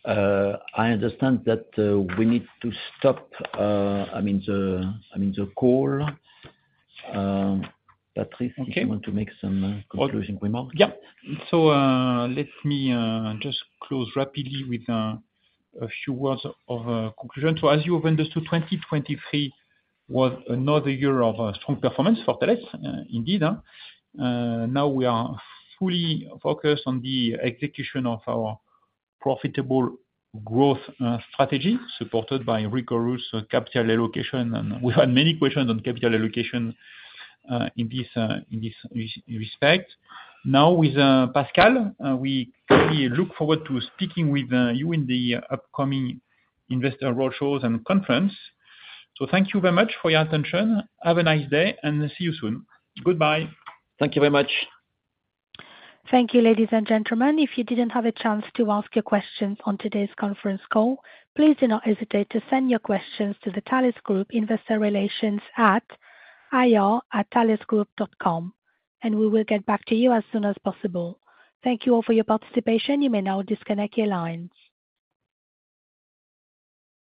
I understand that we need to stop, I mean, the call. Patrice, if you want to make some conclusion remarks. Yep. So let me just close rapidly with a few words of conclusion. So as you have understood, 2023 was another year of strong performance for Thales, indeed. Now, we are fully focused on the execution of our profitable growth strategy supported by rigorous capital allocation, and we've had many questions on capital allocation in this respect. Now, with Pascal, we look forward to speaking with you in the upcoming investor roadshows and conference. So thank you very much for your attention. Have a nice day, and see you soon. Goodbye. Thank you very much. Thank you, ladies and gentlemen. If you didn't have a chance to ask your questions on today's conference call, please do not hesitate to send your questions to the Thales Group Investor Relations at ir@thalesgroup.com, and we will get back to you as soon as possible. Thank you all for your participation. You may now disconnect your lines.